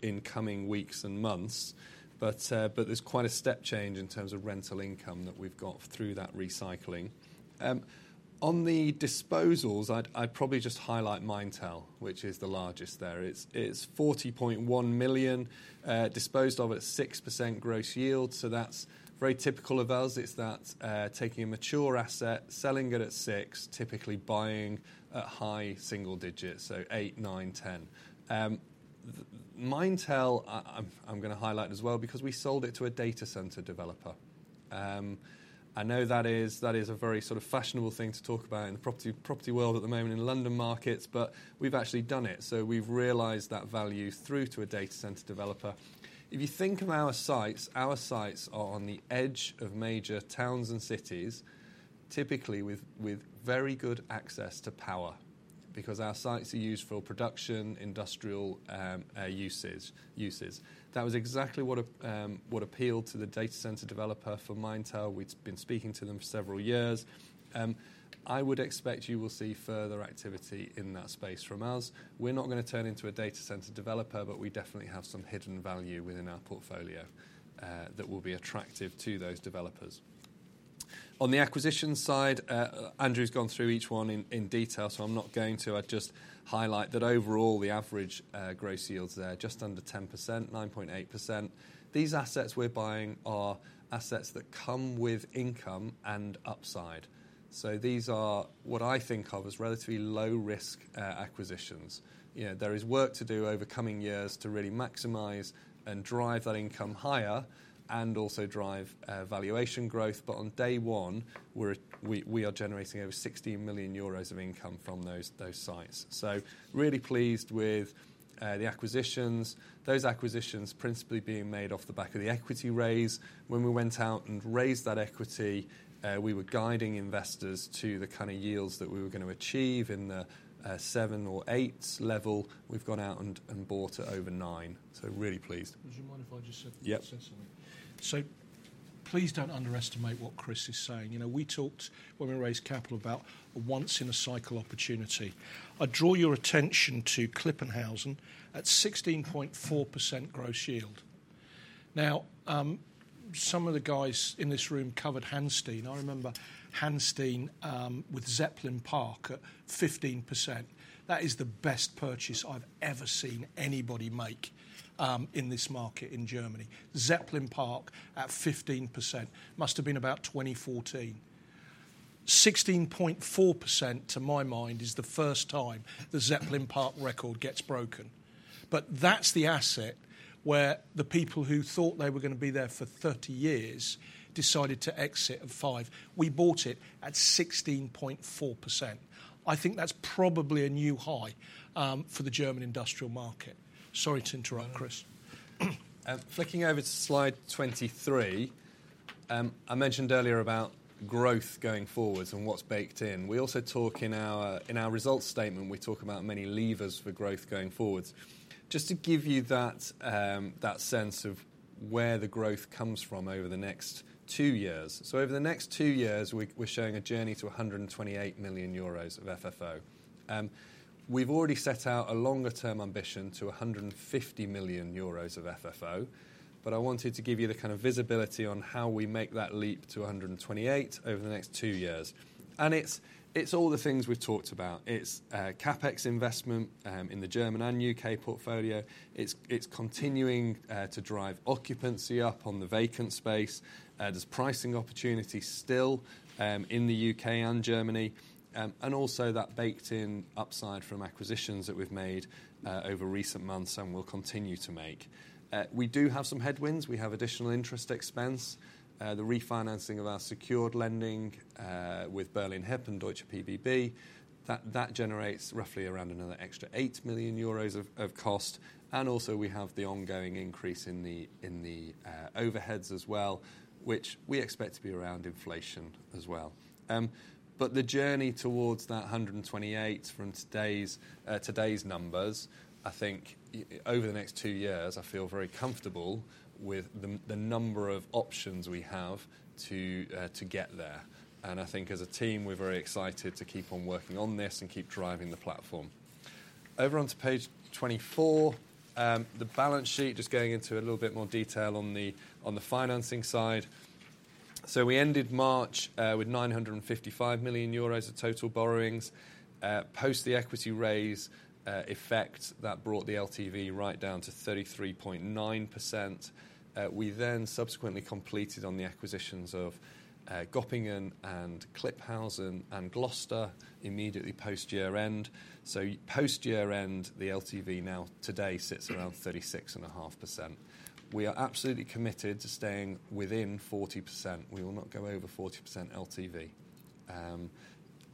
in coming weeks and months. But, but there's quite a step change in terms of rental income that we've got through that recycling. On the disposals, I'd probably just highlight Maintal, which is the largest there. It's 40.1 million, disposed of at 6% gross yield, so that's very typical of us. It's that, taking a mature asset, selling it at six, typically buying at high single digits, so eight, nine, 10. The Maintal, I'm gonna highlight as well because we sold it to a data center developer. I know that is a very sort of fashionable thing to talk about in the property world at the moment in London markets, but we've actually done it. So we've realized that value through to a data center developer. If you think of our sites, our sites are on the edge of major towns and cities, typically with very good access to power, because our sites are used for production, industrial uses. That was exactly what appealed to the data center developer for Maintal. We'd been speaking to them for several years. I would expect you will see further activity in that space from us. We're not gonna turn into a data center developer, but we definitely have some hidden value within our portfolio, that will be attractive to those developers. On the acquisition side, Andrew's gone through each one in detail, so I'm not going to. I'd just highlight that overall, the average, gross yields there, just under 10%, 9.8%. These assets we're buying are assets that come with income and upside. So these are what I think of as relatively low risk, acquisitions. You know, there is work to do over coming years to really maximize and drive that income higher and also drive, valuation growth. But on day one, we are generating over 60 million euros of income from those sites. So really pleased with the acquisitions. Those acquisitions principally being made off the back of the equity raise. When we went out and raised that equity, we were guiding investors to the kind of yields that we were gonna achieve in the seven or eight level. We've gone out and bought at over nine, so really pleased. Would you mind if I just said- Yep. Say something? So please don't underestimate what Chris is saying. You know, we talked when we raised capital about a once in a cycle opportunity. I draw your attention to Klipphausen at 16.4% gross yield. Now, some of the guys in this room covered Hansteen. I remember Hansteen, with Zeppelin Park at 15%. That is the best purchase I've ever seen anybody make, in this market in Germany. Zeppelin Park at 15%, must have been about 2014. 16.4%, to my mind, is the first time the Zeppelin Park record gets broken. But that's the asset where the people who thought they were gonna be there for 30 years decided to exit at five. We bought it at 16.4%. I think that's probably a new high, for the German industrial market. Sorry to interrupt, Chris. Flicking over to slide 23. I mentioned earlier about growth going forwards and what's baked in. We also talk in our, in our results statement, we talk about many levers for growth going forwards. Just to give you that, that sense of where the growth comes from over the next two years. So over the next two years, we, we're showing a journey to 128 million euros of FFO. We've already set out a longer term ambition to 150 million euros of FFO, but I wanted to give you the kind of visibility on how we make that leap to a hundred and twenty-eight over the next two years. And it's, it's all the things we've talked about. It's, CapEx investment, in the German and U.K. portfolio. It's continuing to drive occupancy up on the vacant space. There's pricing opportunity still in the U.K. and Germany, and also that baked in upside from acquisitions that we've made over recent months and will continue to make. We do have some headwinds. We have additional interest expense, the refinancing of our secured lending with Berlin Hyp and Deutsche PBB. That generates roughly around another extra 8 million euros of cost. And also, we have the ongoing increase in the overheads as well, which we expect to be around inflation as well. But the journey towards that 128 from today's numbers, I think over the next two years, I feel very comfortable with the number of options we have to get there. And I think as a team, we're very excited to keep on working on this and keep driving the platform. Over onto page 24, the balance sheet, just going into a little bit more detail on the financing side. So we ended March with 955 million euros of total borrowings. Post the equity raise effect, that brought the LTV right down to 33.9%. We then subsequently completed on the acquisitions of Göppingen and Klipphausen and Gloucester immediately post-year end. So post-year end, the LTV now today sits around 36.5%. We are absolutely committed to staying within 40%. We will not go over 40% LTV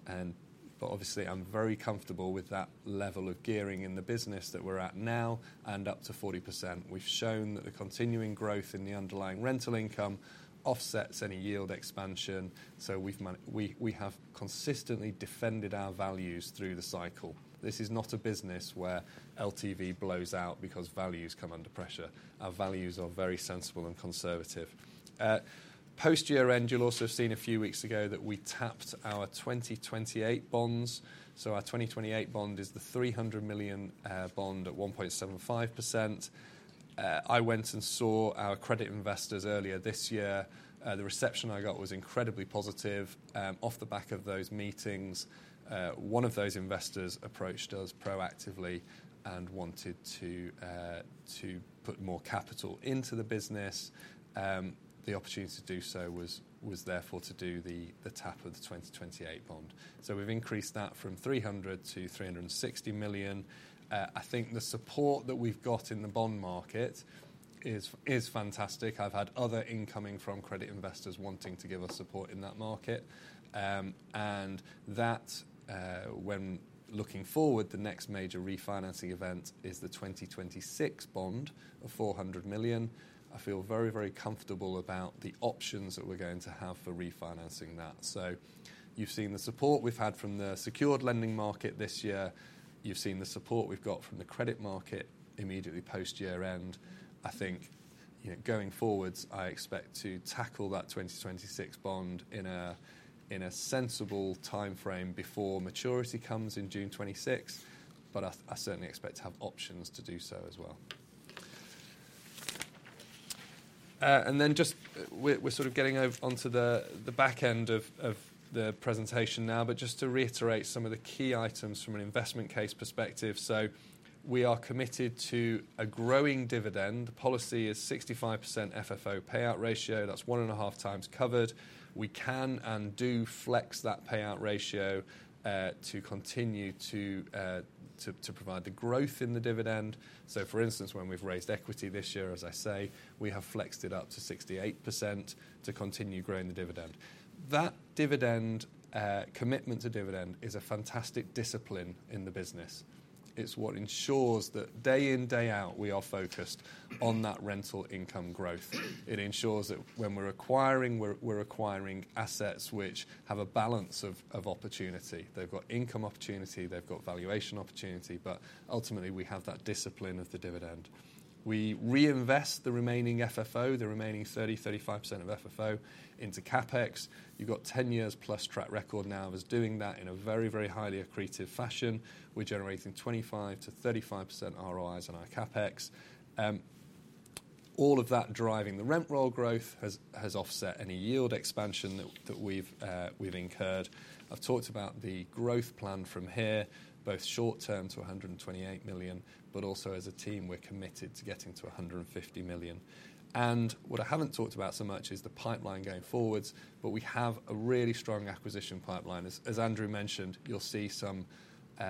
and but obviously, I'm very comfortable with that level of gearing in the business that we're at now, and up to 40%. We've shown that the continuing growth in the underlying rental income offsets any yield expansion, so we have consistently defended our values through the cycle. This is not a business where LTV blows out because values come under pressure. Our values are very sensible and conservative. Post year-end, you'll also have seen a few weeks ago that we tapped our 2028 bonds. So our 2028 bond is the 300 million bond at 1.75%. I went and saw our credit investors earlier this year. The reception I got was incredibly positive. Off the back of those meetings, one of those investors approached us proactively and wanted to put more capital into the business. The opportunity to do so was therefore to do the tap of the 2028 bond. So we've increased that from 300 million to 360 million. I think the support that we've got in the bond market is, is fantastic. I've had other incoming from credit investors wanting to give us support in that market. And that, when looking forward, the next major refinancing event is the 2026 bond of 400 million. I feel very, very comfortable about the options that we're going to have for refinancing that. So you've seen the support we've had from the secured lending market this year. You've seen the support we've got from the credit market immediately post year-end. I think, you know, going forwards, I expect to tackle that 2026 bond in a, in a sensible timeframe before maturity comes in June 2026, but I, I certainly expect to have options to do so as well. And then just, we're sort of getting over onto the back end of the presentation now, but just to reiterate some of the key items from an investment case perspective. So we are committed to a growing dividend. The policy is 65% FFO payout ratio. That's 1.5 times covered. We can and do flex that payout ratio to continue to provide the growth in the dividend. So for instance, when we've raised equity this year, as I say, we have flexed it up to 68% to continue growing the dividend. That dividend commitment to dividend is a fantastic discipline in the business. It's what ensures that day in, day out, we are focused on that rental income growth. It ensures that when we're acquiring, we're acquiring assets which have a balance of opportunity. They've got income opportunity, they've got valuation opportunity, but ultimately, we have that discipline of the dividend. We reinvest the remaining FFO, the remaining 30%-35% of FFO, into CapEx. You've got 10+ years track record now as doing that in a very, very highly accretive fashion. We're generating 25%-35% ROIs on our CapEx. All of that driving the rent roll growth has, has offset any yield expansion that, that we've, we've incurred. I've talked about the growth plan from here, both short term to 128 million, but also as a team, we're committed to getting to 150 million. What I haven't talked about so much is the pipeline going forwards, but we have a really strong acquisition pipeline. As Andrew mentioned, you'll see some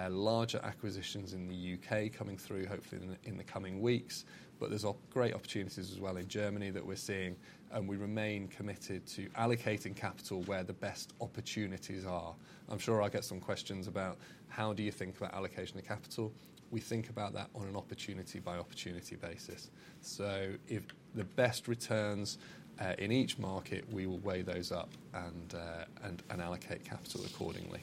larger acquisitions in the U.K. coming through, hopefully in the coming weeks, but there's great opportunities as well in Germany that we're seeing, and we remain committed to allocating capital where the best opportunities are. I'm sure I'll get some questions about: How do you think about allocation of capital? We think about that on an opportunity by opportunity basis. So if the best returns in each market, we will weigh those up and allocate capital accordingly.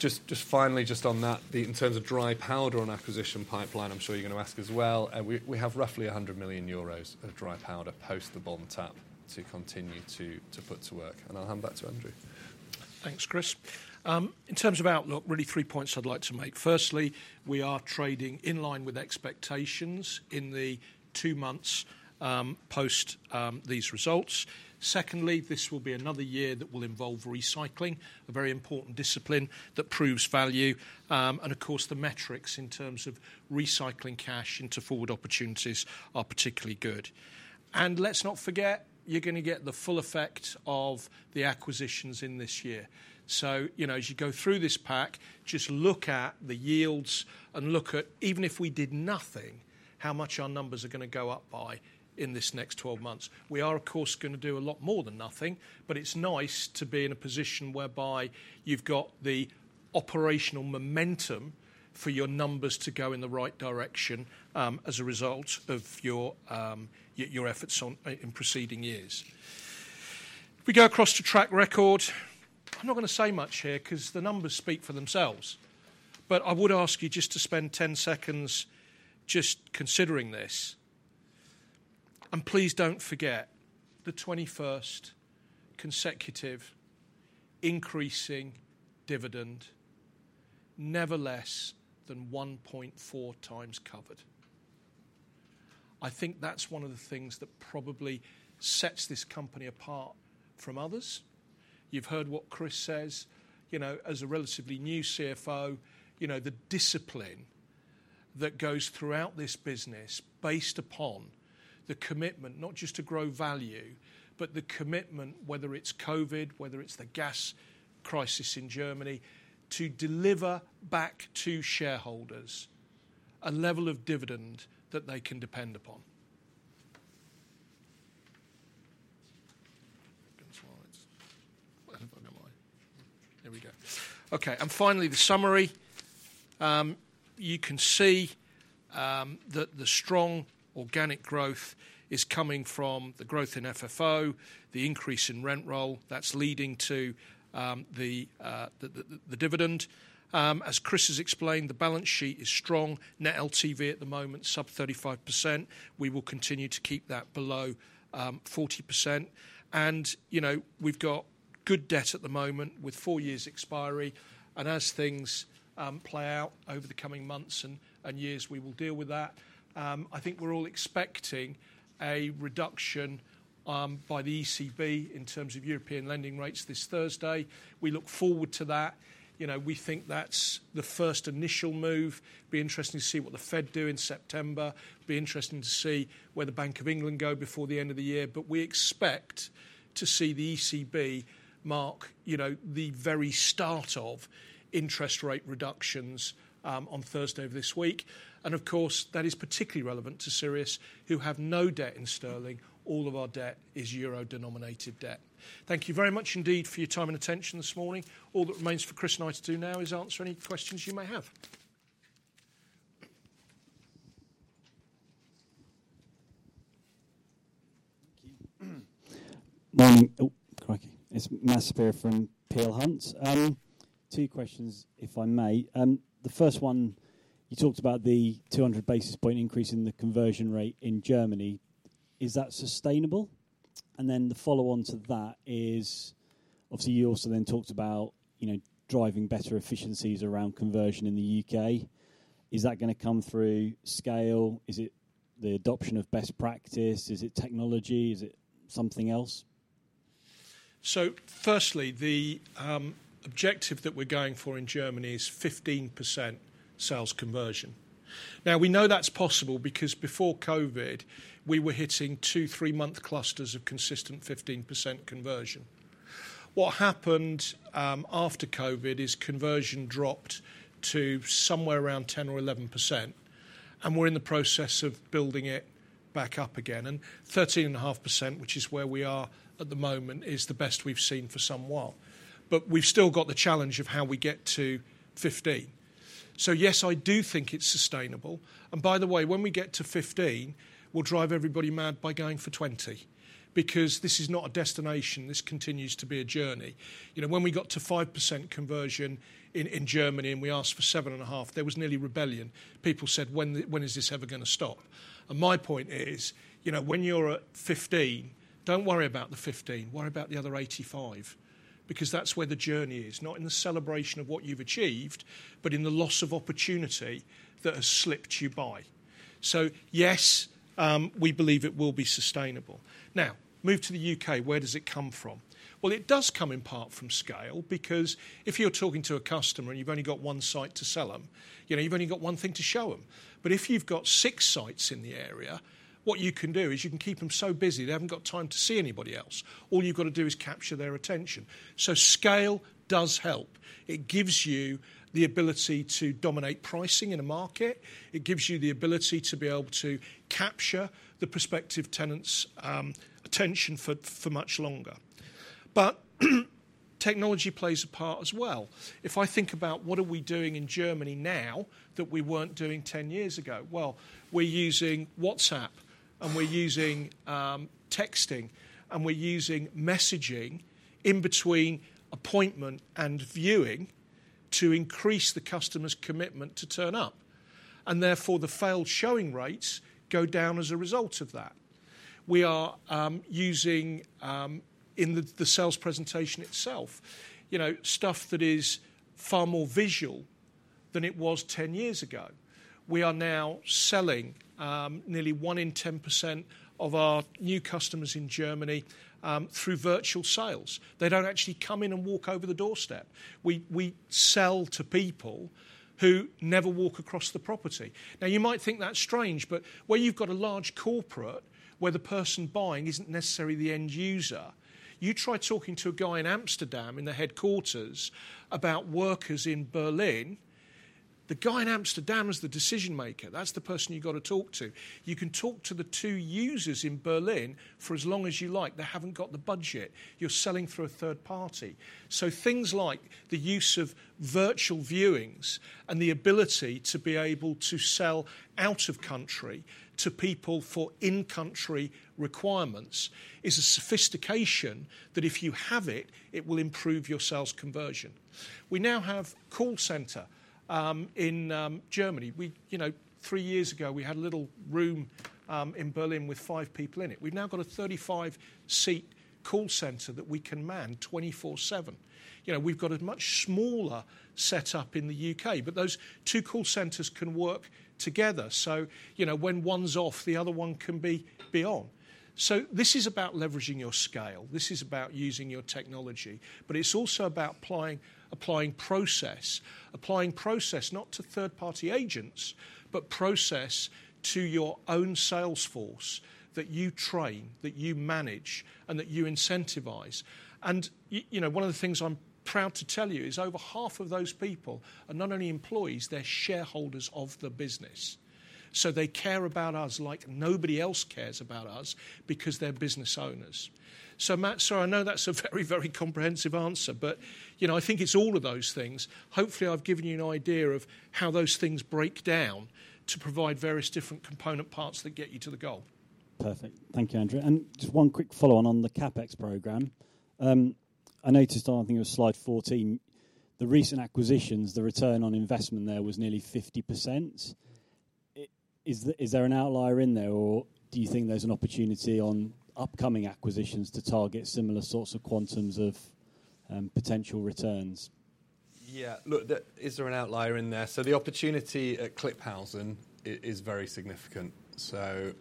Just finally, just on that, in terms of dry powder on acquisition pipeline, I'm sure you're gonna ask as well, and we have roughly 100 million euros of dry powder post the bond tap to continue to put to work, and I'll hand back to Andrew. Thanks, Chris. In terms of outlook, really three points I'd like to make. Firstly, we are trading in line with expectations in the two months post these results. Secondly, this will be another year that will involve recycling, a very important discipline that proves value. And of course, the metrics in terms of recycling cash into forward opportunities are particularly good. And let's not forget, you're gonna get the full effect of the acquisitions in this year. So, you know, as you go through this pack, just look at the yields and look at, even if we did nothing, how much our numbers are gonna go up by in this next twelve months. We are, of course, gonna do a lot more than nothing, but it's nice to be in a position whereby you've got the operational momentum for your numbers to go in the right direction, as a result of your efforts on, in preceding years. If we go across to track record, I'm not gonna say much here 'cause the numbers speak for themselves. But I would ask you just to spend 10 seconds just considering this. And please don't forget, the 21st consecutive increasing dividend, never less than 1.4 times covered. I think that's one of the things that probably sets this company apart from others. You've heard what Chris says. You know, as a relatively new CFO, you know, the discipline that goes throughout this business, based upon the commitment not just to grow value, but the commitment, whether it's COVID, whether it's the gas crisis in Germany, to deliver back to shareholders a level of dividend that they can depend upon. There we go. Okay, and finally, the summary. You can see that the strong organic growth is coming from the growth in FFO, the increase in rent roll, that's leading to the dividend. As Chris has explained, the balance sheet is strong. Net LTV at the moment, sub 35%. We will continue to keep that below 40%. You know, we've got good debt at the moment, with four years expiry, and as things play out over the coming months and, and years, we will deal with that. I think we're all expecting a reduction by the ECB in terms of European lending rates this Thursday. We look forward to that. You know, we think that's the first initial move. Be interesting to see what the Fed do in September. Be interesting to see where the Bank of England go before the end of the year, but we expect to see the ECB mark, you know, the very start of interest rate reductions on Thursday of this week. And of course, that is particularly relevant to Sirius, who have no debt in sterling. All of our debt is euro-denominated debt. Thank you very much indeed for your time and attention this morning. All that remains for Chris and I to do now is answer any questions you may have. Thank you. Morning. Oh, crikey! It's Matthew Saperia from Peel Hunt. Two questions, if I may. The first one, you talked about the 200 basis point increase in the conversion rate in Germany. Is that sustainable? And then the follow-on to that is, obviously, you also then talked about, you know, driving better efficiencies around conversion in the U.K. Is that gonna come through scale? Is it the adoption of best practice? Is it technology? Is it something else? So firstly, the objective that we're going for in Germany is 15% sales conversion. Now, we know that's possible because before COVID, we were hitting two to three-month clusters of consistent 15% conversion. What happened after COVID is conversion dropped to somewhere around 10%-11%, and we're in the process of building it back up again. And 13.5%, which is where we are at the moment, is the best we've seen for some while. But we've still got the challenge of how we get to 15. So, yes, I do think it's sustainable, and by the way, when we get to 15, we'll drive everybody mad by going for 20, because this is not a destination, this continues to be a journey. You know, when we got to 5% conversion in Germany, and we asked for 7.5%, there was nearly rebellion. People said: "When is this ever gonna stop?" And my point is, you know, when you're at 15%, don't worry about the 15%, worry about the other 85%, because that's where the journey is, not in the celebration of what you've achieved, but in the loss of opportunity that has slipped you by. So yes, we believe it will be sustainable. Now, move to the U.K., where does it come from? Well, it does come in part from scale, because if you're talking to a customer and you've only got one site to sell them, you know, you've only got one thing to show them. But if you've got six sites in the area, what you can do is you can keep them so busy, they haven't got time to see anybody else. All you've got to do is capture their attention. So scale does help. It gives you the ability to dominate pricing in a market. It gives you the ability to be able to capture the prospective tenant's attention for, for much longer. But technology plays a part as well. If I think about what are we doing in Germany now that we weren't doing 10 years ago, well, we're using WhatsApp, and we're using texting, and we're using messaging in between appointment and viewing to increase the customer's commitment to turn up, and therefore, the failed showing rates go down as a result of that. We are using. In the sales presentation itself, you know, stuff that is far more visual than it was 10 years ago. We are now selling nearly one in 10% of our new customers in Germany through virtual sales. They don't actually come in and walk over the doorstep. We sell to people who never walk across the property. Now, you might think that's strange, but where you've got a large corporate, where the person buying isn't necessarily the end user, you try talking to a guy in Amsterdam, in the headquarters, about workers in Berlin. The guy in Amsterdam is the decision-maker. That's the person you've got to talk to. You can talk to the two users in Berlin for as long as you like. They haven't got the budget. You're selling through a third party. So things like the use of virtual viewings and the ability to be able to sell out of country to people for in-country requirements, is a sophistication that if you have it, it will improve your sales conversion. We now have call center in Germany. You know, three years ago, we had a little room in Berlin with five people in it. We've now got a 35-seat call center that we can man 24/7. You know, we've got a much smaller setup in the U.K., but those two call centers can work together. So, you know, when one's off, the other one can be on. So this is about leveraging your scale. This is about using your technology, but it's also about applying process. Applying process, not to third-party agents, but process to your own sales force that you train, that you manage, and that you incentivize. You know, one of the things I'm proud to tell you is over half of those people are not only employees, they're shareholders of the business. So they care about us like nobody else cares about us because they're business owners. So Matt, sir, I know that's a very, very comprehensive answer, but, you know, I think it's all of those things. Hopefully, I've given you an idea of how those things break down to provide various different component parts that get you to the goal. Perfect. Thank you, Andrew. And just one quick follow-on on the CapEx program. I noticed on, I think it was slide 14, the recent acquisitions, the return on investment there was nearly 50%. Is there an outlier in there, or do you think there's an opportunity on upcoming acquisitions to target similar sorts of quantums of potential returns? Yeah. Look, is there an outlier in there? So the opportunity at Klipphausen is very significant. So,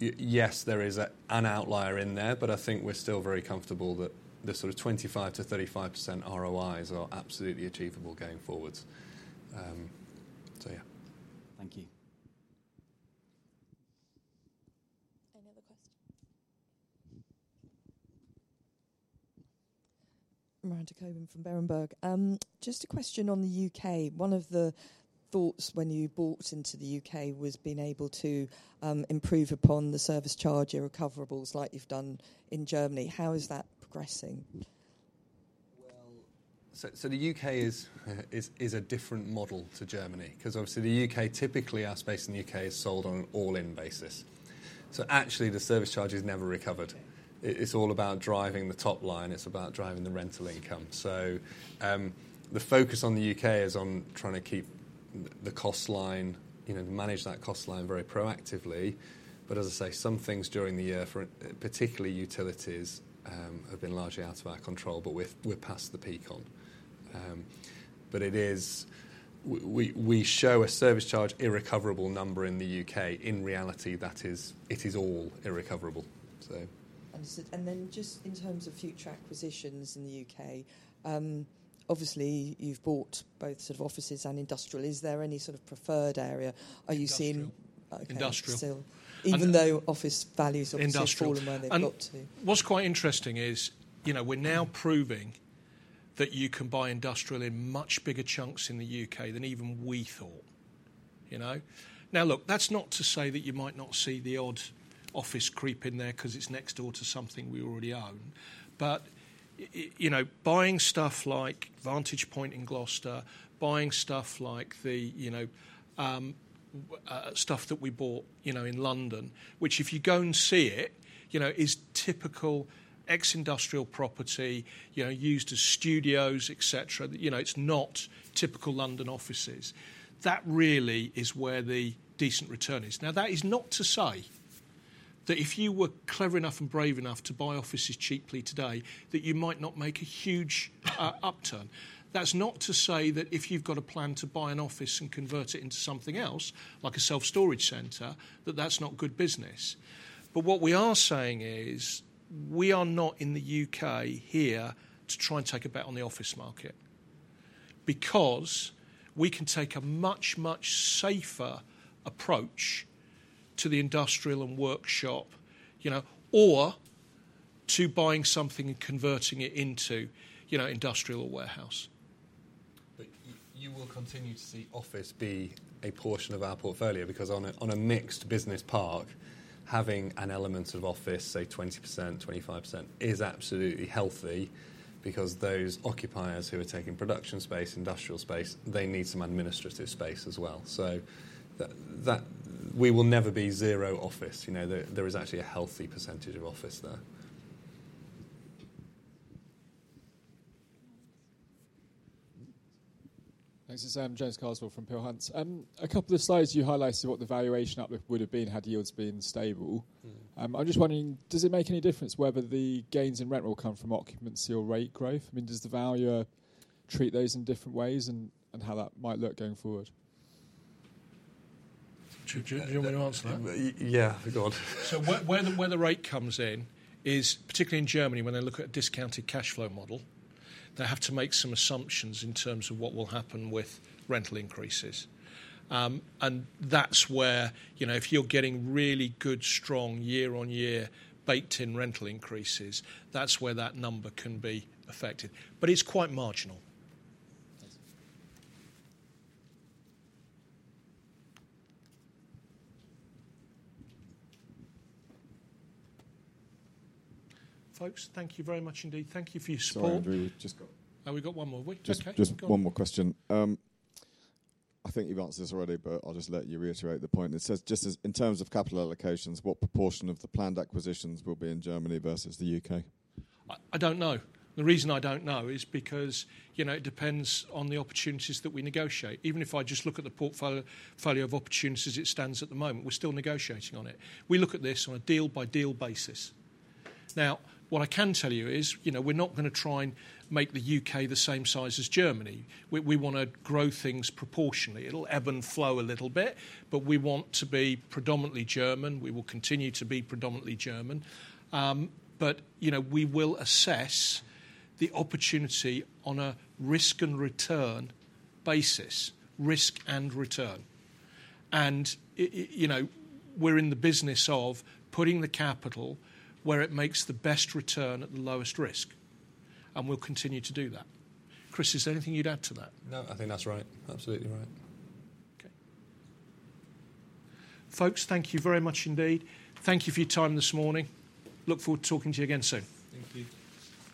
yes, there is an outlier in there, but I think we're still very comfortable that the sort of 25%-35% ROIs are absolutely achievable going forward. So yeah. Thank you. Miranda Cockburn from Berenberg. Just a question on the U.K. One of the thoughts when you bought into the U.K. was being able to, improve upon the service charge irrecoverables like you've done in Germany. How is that progressing? Well, so the U.K. is a different model to Germany, 'cause obviously the U.K., typically our space in the U.K. is sold on an all-in basis. So actually, the service charge is never recovered. It's all about driving the top line, it's about driving the rental income. So, the focus on the U.K. is on trying to keep the cost line, you know, manage that cost line very proactively. But as I say, some things during the year for, particularly utilities, have been largely out of our control, but we're past the peak on. But it is. We show a service charge irrecoverable number in the U.K. In reality, that is, it is all irrecoverable, so. Understood. And then just in terms of future acquisitions in the U.K., obviously, you've bought both sort of offices and industrial. Is there any sort of preferred area? Are you seeing- Industrial. Okay. Industrial. Still. And- Even though office values obviously- Industrial have fallen where they've got to. And what's quite interesting is, you know, we're now proving that you can buy industrial in much bigger chunks in the U.K. than even we thought, you know? Now, look, that's not to say that you might not see the odd office creep in there 'cause it's next door to something we already own. But, you know, buying stuff like Vantage Point in Gloucester, buying stuff like the, you know, stuff that we bought, you know, in London, which, if you go and see it, you know, is typical ex-industrial property, you know, used as studios, et cetera. You know, it's not typical London offices. That really is where the decent return is. Now, that is not to say that if you were clever enough and brave enough to buy offices cheaply today, that you might not make a huge upturn. That's not to say that if you've got a plan to buy an office and convert it into something else, like a self-storage center, that that's not good business. But what we are saying is, we are not in the U.K. here to try and take a bet on the office market, because we can take a much, much safer approach to the industrial and workshop, you know, or to buying something and converting it into, you know, industrial or warehouse. But you will continue to see office be a portion of our portfolio, because on a mixed business park, having an element of office, say, 20%, 25%, is absolutely healthy because those occupiers who are taking production space, industrial space, they need some administrative space as well. So that. We will never be zero office. You know, there is actually a healthy percentage of office there. Thanks. This is James Carswell from Peel Hunt. A couple of slides, you highlighted what the valuation uplift would have been had yields been stable. Mm-hmm. I'm just wondering, does it make any difference whether the gains in rental come from occupancy or rate growth? I mean, does the valuer treat those in different ways and how that might look going forward? Do you want me to answer that? Yeah, go on. So where the rate comes in is, particularly in Germany, when they look at a discounted cash flow model, they have to make some assumptions in terms of what will happen with rental increases. And that's where, you know, if you're getting really good, strong year-on-year baked-in rental increases, that's where that number can be affected, but it's quite marginal. Thanks. Folks, thank you very much indeed. Thank you for your support. Sorry, Andrew, we've just got- Oh, we've got one more, have we? Just- Okay, go on. Just one more question. I think you've answered this already, but I'll just let you reiterate the point. It says, just as in terms of capital allocations, what proportion of the planned acquisitions will be in Germany versus the U.K.? I don't know. The reason I don't know is because, you know, it depends on the opportunities that we negotiate. Even if I just look at the portfolio of opportunities as it stands at the moment, we're still negotiating on it. We look at this on a deal-by-deal basis. Now, what I can tell you is, you know, we're not gonna try and make the U.K. the same size as Germany. We wanna grow things proportionally. It'll ebb and flow a little bit, but we want to be predominantly German. We will continue to be predominantly German. But, you know, we will assess the opportunity on a risk and return basis. Risk and return. And I, you know, we're in the business of putting the capital where it makes the best return at the lowest risk, and we'll continue to do that. Chris, is there anything you'd add to that? No, I think that's right. Absolutely right. Okay. Folks, thank you very much indeed. Thank you for your time this morning. Look forward to talking to you again soon. Thank you.